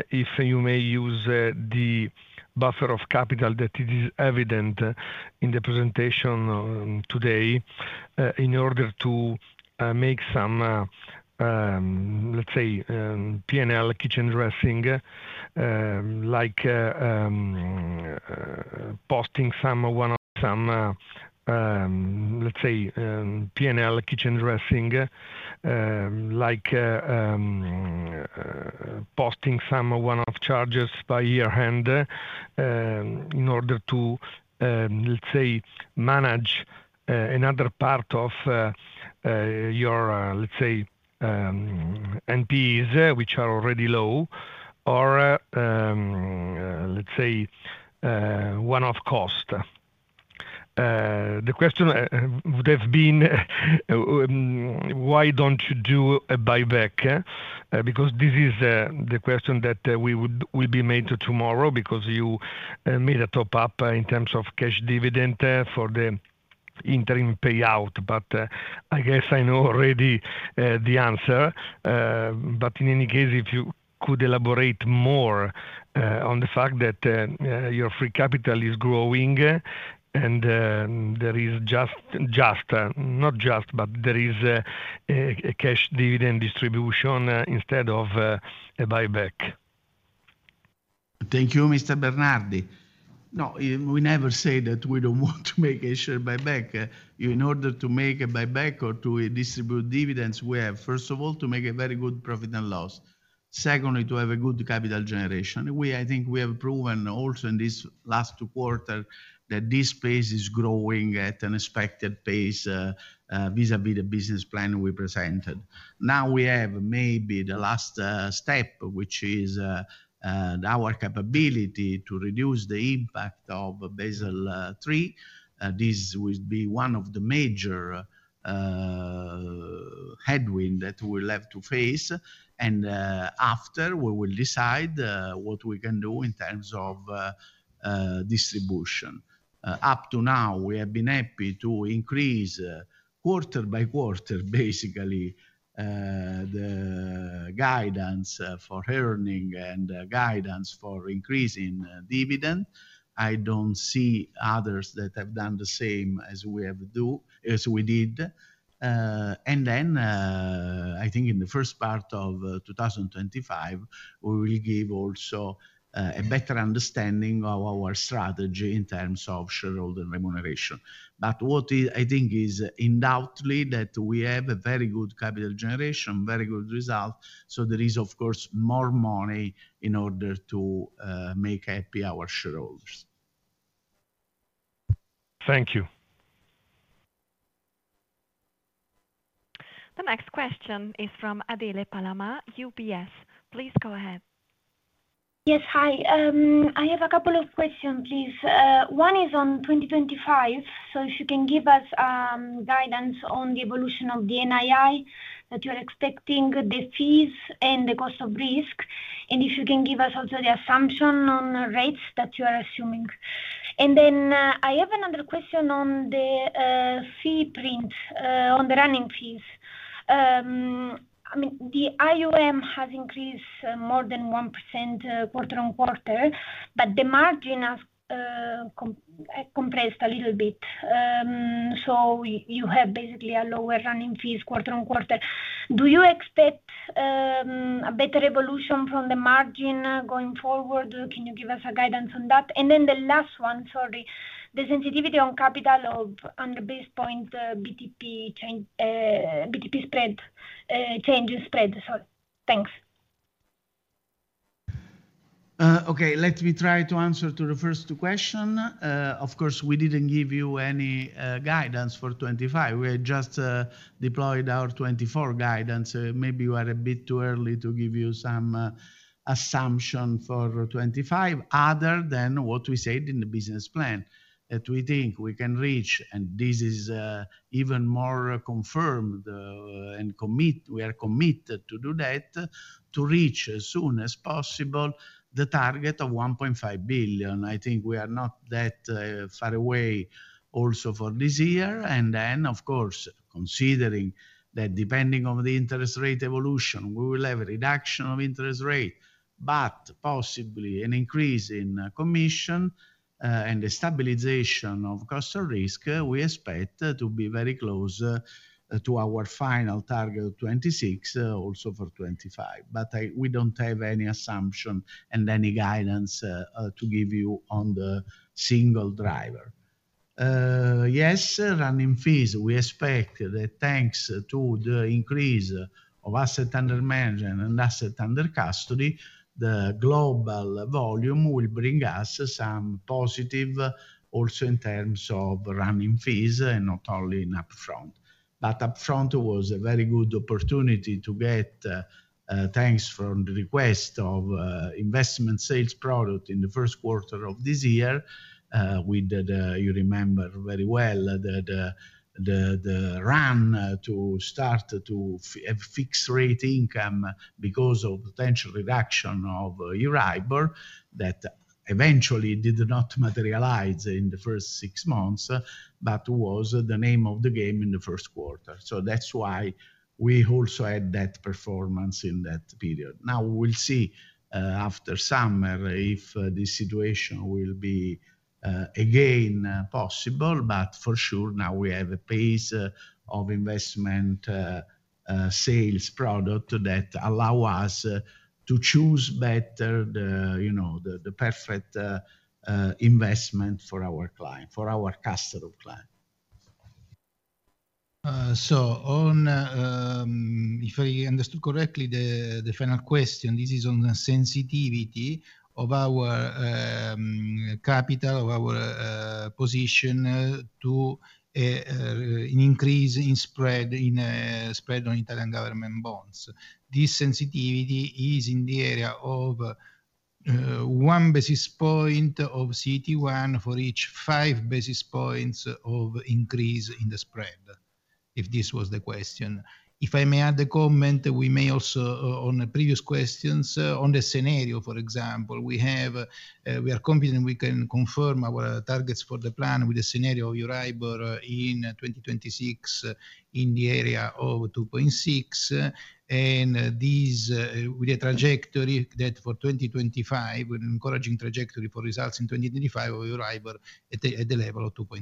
if you may use the buffer of capital that it is evident in the presentation today in order to make some, let's say, PNL kitchen dressing, like posting some one-off, some, let's say, PNL kitchen dressing, like posting some one-off charges by year-end in order to, let's say manage another part of your, let's say, NPEs, which are already low, or, let's say, one-off cost. The question would have been, why don't you do a buyback? Because this is the question that we will be made tomorrow, because you made a top up in terms of cash dividend for the interim payout. But I guess I know already the answer. But in any case, if you could elaborate more on the fact that your free capital is growing, and there is not just, but there is a cash dividend distribution instead of a buyback. Thank you, Mr. Bernardi. No, we never say that we don't want to make a share buyback. In order to make a buyback or to distribute dividends, we have, first of all, to make a very good profit and loss. Secondly, to have a good capital generation. We, I think we have proven also in this last quarter, that this space is growing at an expected pace, vis-à-vis the business plan we presented. Now, we have maybe the last step, which is, our capability to reduce the impact of Basel III. This will be one of the major headwind that we will have to face, and, after, we will decide what we can do in terms of distribution. Up to now, we have been happy to increase, quarter by quarter, basically, the guidance for earnings and guidance for increasing dividends. I don't see others that have done the same as we have as we did. And then, I think in the first part of 2025, we will give also a better understanding of our strategy in terms of shareholder remuneration. But what I think is undoubtedly, that we have a very good capital generation, very good result, so there is, of course, more money in order to make happy our shareholders. Thank you. The next question is from Adele Palama, UBS. Please go ahead. Yes. Hi. I have a couple of questions, please. One is on 2025. So if you can give us guidance on the evolution of the NII, that you're expecting, the fees and the cost of risk, and if you can give us also the assumption on rates that you are assuming. And then, I have another question on the fee print, on the running fees. I mean, the AUM has increased more than 1%, quarter-on-quarter, but the margin has compressed a little bit. So you have basically a lower running fees, quarter-on-quarter. Do you expect a better evolution from the margin going forward? Can you give us a guidance on that? And then the last one, sorry, the sensitivity on capital of, on the basis point, BTP change, BTP spread, change in spread. Sorry. Thanks. Okay, let me try to answer to the first question. Of course, we didn't give you any guidance for 2025. We just deployed our 2024 guidance. Maybe you are a bit too early to give you some assumption for 2025, other than what we said in the business plan, that we think we can reach. And this is even more confirmed, and we are committed to do that, to reach, as soon as possible, the target of 1.5 billion. I think we are not that far away also for this year. And then, of course, considering that depending on the interest rate evolution, we will have a reduction of interest rate, but possibly an increase in commission, and the stabilization of cost of risk, we expect to be very close to our final target of 2026, also for 2025. But I, we don't have any assumption and any guidance to give you on the single driver. Yes, running fees, we expect that thanks to the increase of asset under management and asset under custody, the global volume will bring us some positive, also in terms of running fees and not only in upfront. But upfront was a very good opportunity to get, thanks from the request of investment sales product in the first quarter of this year. We did, you remember very well that, the run to start to fixed rate income because of potential reduction of Euribor, that eventually did not materialize in the first six months, but was the name of the game in the first quarter. So that's why we also had that performance in that period. Now, we'll see, after summer if this situation will be again possible. But for sure, now we have a pace of investment sales product that allow us to choose better the, you know, the perfect investment for our client, for our customer client. If I understood correctly, the final question, this is on the sensitivity of our capital, of our position, to an increase in spread, in spread on Italian government bonds. This sensitivity is in the area of 1 basis point of CET1 for each 5 basis points of increase in the spread, if this was the question. If I may add a comment, we may also on the previous questions on the scenario, for example, we are confident we can confirm our targets for the plan with the scenario of Euribor in 2026, in the area of 2.6. And this, with a trajectory that for 2025, with an encouraging trajectory for results in 2025 of Euribor at the, at the level of 2.7,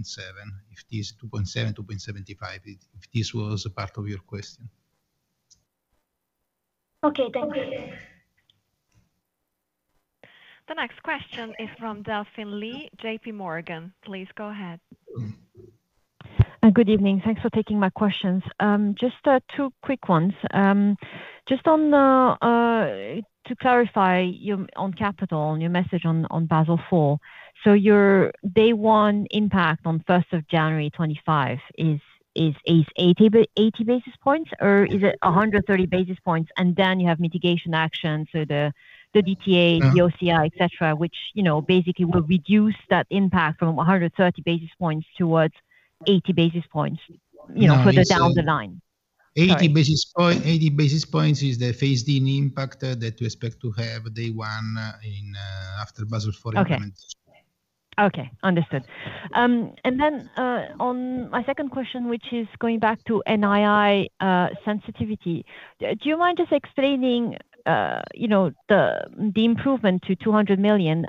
if this 2.7-2.75, if, if this was a part of your question. Okay, thanks. The next question is from Delphine Lee, JPMorgan. Please go ahead. Good evening. Thanks for taking my questions. Just two quick ones. Just on the to clarify your on capital on your message on Basel IV. So your day one impact on first of January 2025 is 80 basis points, or is it 130 basis points? And then you have mitigation action, so the DTA, the OCI, et cetera, which, you know, basically will reduce that impact from 130 basis points towards 80 basis points, you know, further down the line. 80 basis points is the phase-in impact that we expect to have day one, in, after Basel IV implements. Okay. Okay, understood. And then, on my second question, which is going back to NII, sensitivity, do you mind just explaining, you know, the improvement to 200 million?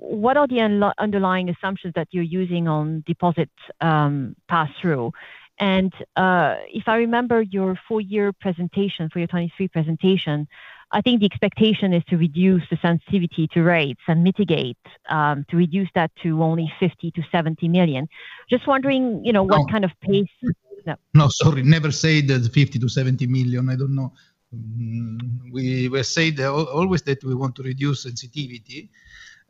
What are the underlying assumptions that you're using on deposits, pass-through? And, if I remember your full-year presentation for your 2023 presentation, I think the expectation is to reduce the sensitivity to rates and mitigate, to reduce that to only 50 million-70 million. Just wondering, you know, what kind of pace- No, sorry, never say that 50 million-70 million. I don't know. We always want to reduce sensitivity.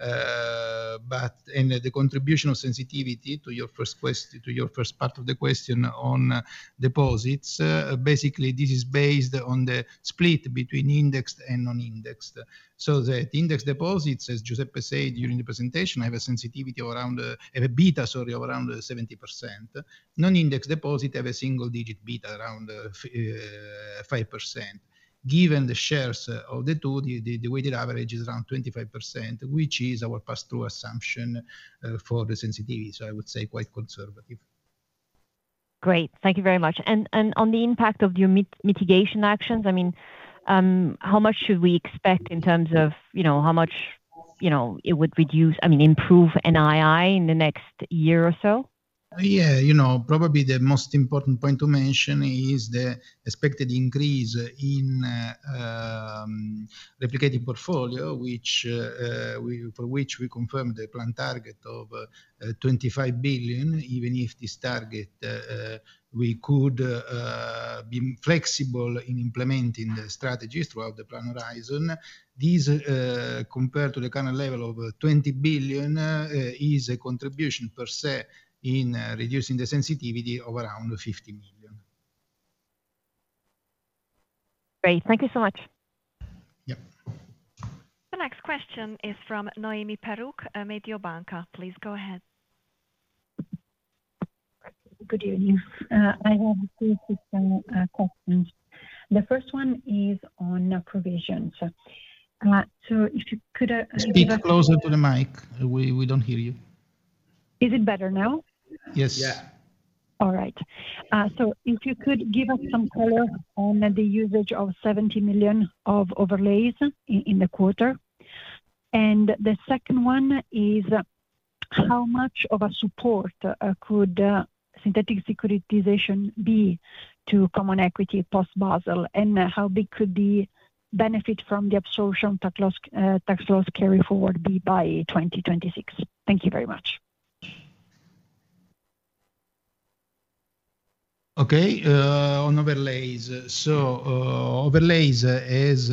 But, and the contribution of sensitivity to your first quest- to your first part of the question on deposits, basically, this is based on the split between indexed and non-indexed. So the indexed deposits, as Giuseppe said during the presentation, have a sensitivity of around a beta, sorry, of around 70%. Non-indexed deposit have a single digit beta, around five percent. Given the shares of the two, the weighted average is around 25%, which is our pass-through assumption for the sensitivity, so I would say quite conservative. Great, thank you very much. And on the impact of your mitigation actions, I mean, how much should we expect in terms of, you know, how much, you know, it would reduce, I mean, improve NII in the next year or so? Yeah. You know, probably the most important point to mention is the expected increase in replicated portfolio, for which we confirmed the plan target of 25 billion, even if this target we could been flexible in implementing the strategies throughout the plan horizon. This compared to the current level of 20 billion is a contribution per se in reducing the sensitivity of around 50 million. Great, thank you so much. Yep. The next question is from Noemi Peruch, Mediobanca. Please go ahead. Good evening. I have two systemic questions. The first one is on provision. So, if you could, Speak closer to the mic. We don't hear you. Is it better now? Yes. Yeah. All right. So if you could give us some color on the usage of 70 million of overlays in the quarter. And the second one is: how much of a support could synthetic securitization be to common equity post-Basel? And how big could the benefit from the absorption tax loss, tax loss carry forward be by 2026? Thank you very much. Okay. On overlays. So, overlays is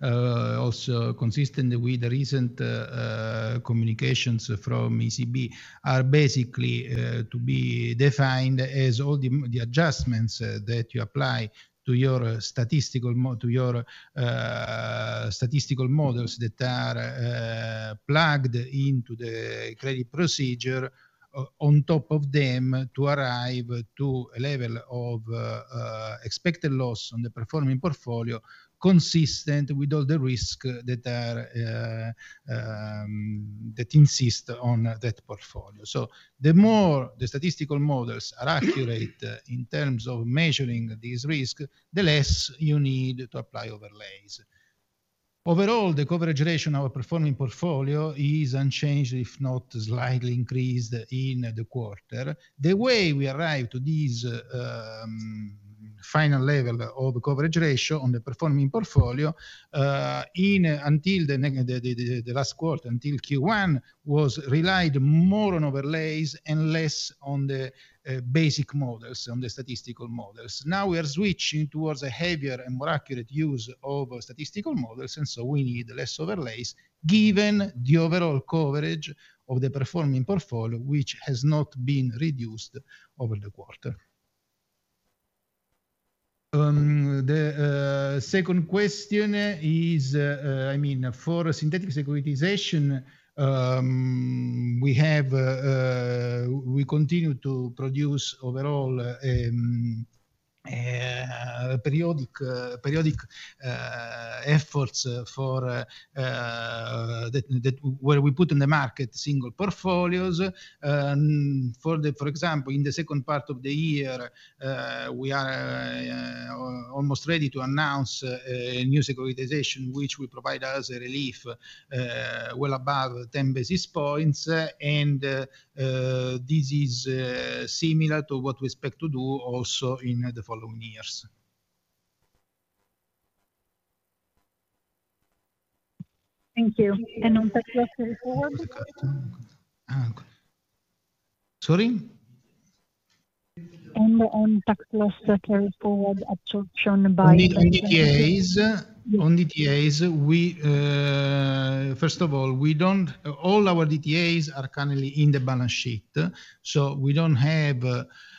also consistent with the recent communications from ECB, are basically to be defined as all the adjustments that you apply to your statistical models that are plugged into the credit procedure, on top of them, to arrive to a level of expected loss on the performing portfolio, consistent with all the risk that insist on that portfolio. So the more the statistical models are accurate in terms of measuring these risk, the less you need to apply overlays. Overall, the coverage ratio of our performing portfolio is unchanged, if not slightly increased, in the quarter. The way we arrive to this final level of coverage ratio on the performing portfolio, up until the last quarter, until Q1, was relied more on overlays and less on the basic models, on the statistical models. Now we are switching towards a heavier and more accurate use of statistical models, and so we need less overlays, given the overall coverage of the performing portfolio, which has not been reduced over the quarter. The second question is, I mean, for synthetic securitization, we continue to produce overall periodic efforts for that, where we put in the market single portfolios. For example, in the second part of the year, we are almost ready to announce new securitization, which will provide us a relief well above 10 basis points. This is similar to what we expect to do also in the following years. Thank you. And on tax loss carry forward? Uh, sorry? On tax loss carry forward absorption by- On DTAs. On DTAs, first of all, all our DTAs are currently in the balance sheet, so we don't have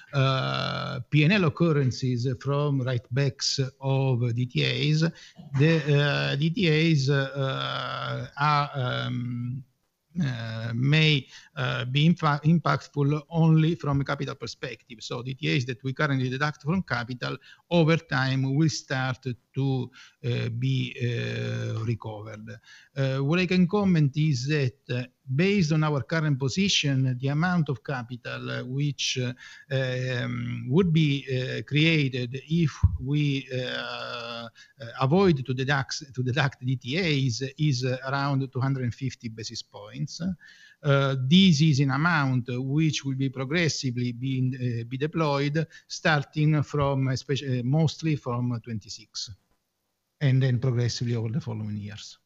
P&L occurrences from write backs of DTAs. The DTAs may be impactful only from a capital perspective. So DTAs that we currently deduct from capital, over time, will start to be recovered. What I can comment is that based on our current position, the amount of capital which would be created if we avoid to deduct, to deduct DTAs, is around 250 basis points. This is an amount which will be progressively being be deployed, starting from, especially, mostly from 2026, and then progressively over the following years.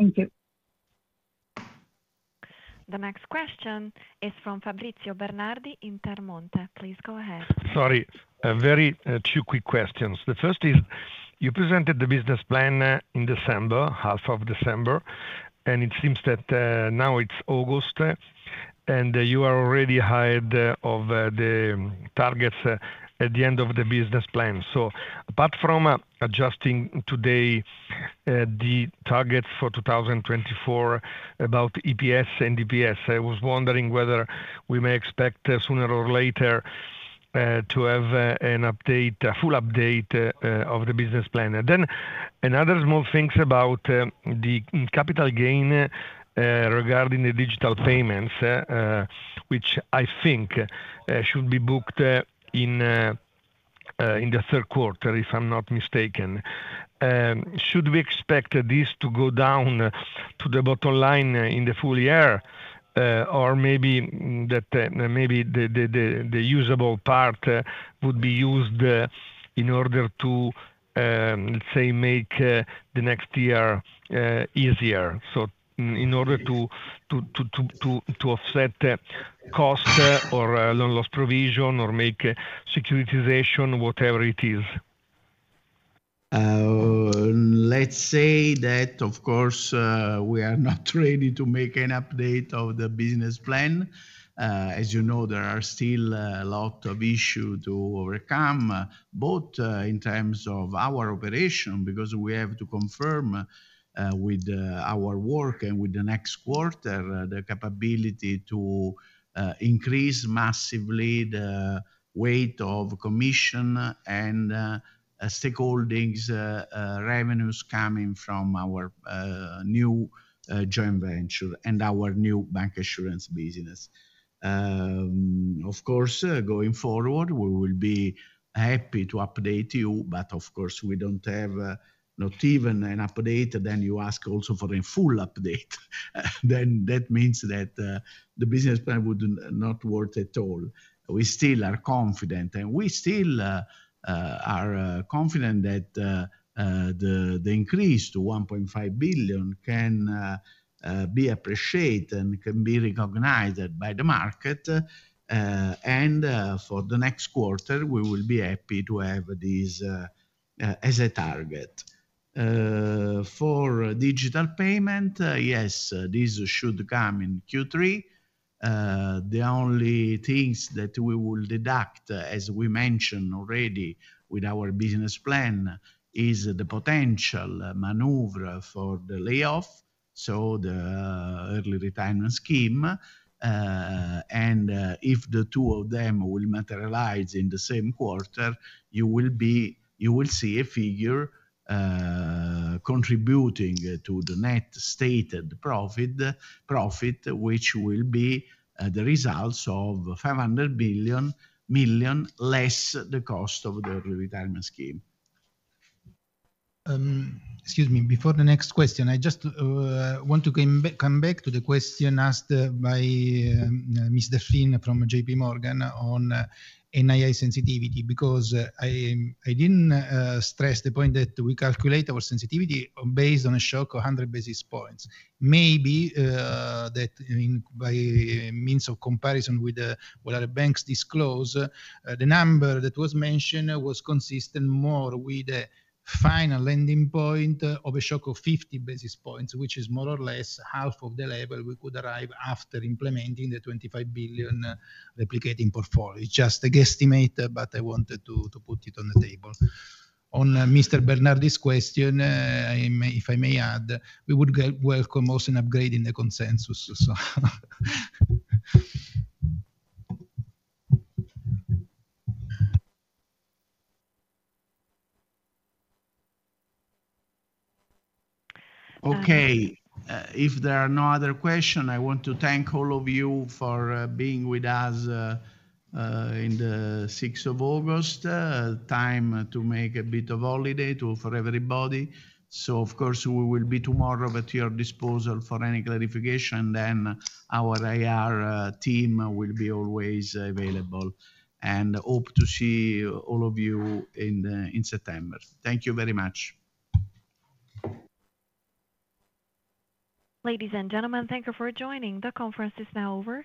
Thank you. The next question is from Fabrizio Bernardi, Intermonte. Please go ahead. Sorry, a very, two quick questions. The first is, you presented the business plan, in December, half of December, and it seems that, now it's August, and you are already ahead of the, the targets at the end of the business plan. So apart from, adjusting today, the target for 2024, about EPS and DPS, I was wondering whether we may expect, sooner or later, to have a, an update, a full update, of the business plan? And then another small things about, the capital gain, regarding the digital payments, which I think, should be booked, in, in the third quarter, if I'm not mistaken. Should we expect this to go down to the bottom line in the full year? Or maybe that, maybe the usable part would be used in order to, let's say, make the next year easier, so in order to offset the cost or loss provision, or make securitization, whatever it is? Let's say that, of course, we are not ready to make an update of the business plan. As you know, there are still a lot of issues to overcome, both in terms of our operation, because we have to confirm with our work and with the next quarter, the capability to increase massively the weight of commission and stakeholdings revenues coming from our new joint venture and our new bancassurance business. Of course, going forward, we will be happy to update you, but of course, we don't have not even an update, then you ask also for a full update. That means that the business plan would not work at all. We still are confident, and we still are confident that the increase to 1.5 billion can be appreciated and can be recognized by the market. And for the next quarter, we will be happy to have this as a target. For digital payment, yes, this should come in Q3. The only things that we will deduct, as we mentioned already with our business plan, is the potential maneuver for the layoff, so the early retirement scheme. And if the two of them will materialize in the same quarter, you will see a figure contributing to the net stated profit, which will be the results of 500 million less the cost of the early retirement scheme. Excuse me, before the next question, I just want to come back, come back to the question asked by Mr. Phine from J.P. Morgan on NII sensitivity, because I didn't stress the point that we calculate our sensitivity based on a shock of 100 basis points. Maybe that, I mean, by means of comparison with what other banks disclose, the number that was mentioned was consistent more with the final ending point of a shock of 50 basis points, which is more or less half of the level we could arrive after implementing the 25 billion replicating portfolio. It's just a guesstimate, but I wanted to put it on the table. On Mr. Bernardi's question, I may, if I may add, we would get welcome also an upgrade in the consensus, so. Okay. If there are no other question, I want to thank all of you for being with us in the sixth of August. Time to make a bit of holiday to... for everybody. So of course, we will be tomorrow at your disposal for any clarification, then our IR team will be always available. And hope to see all of you in September. Thank you very much. Ladies and gentlemen, thank you for joining. The conference is now over.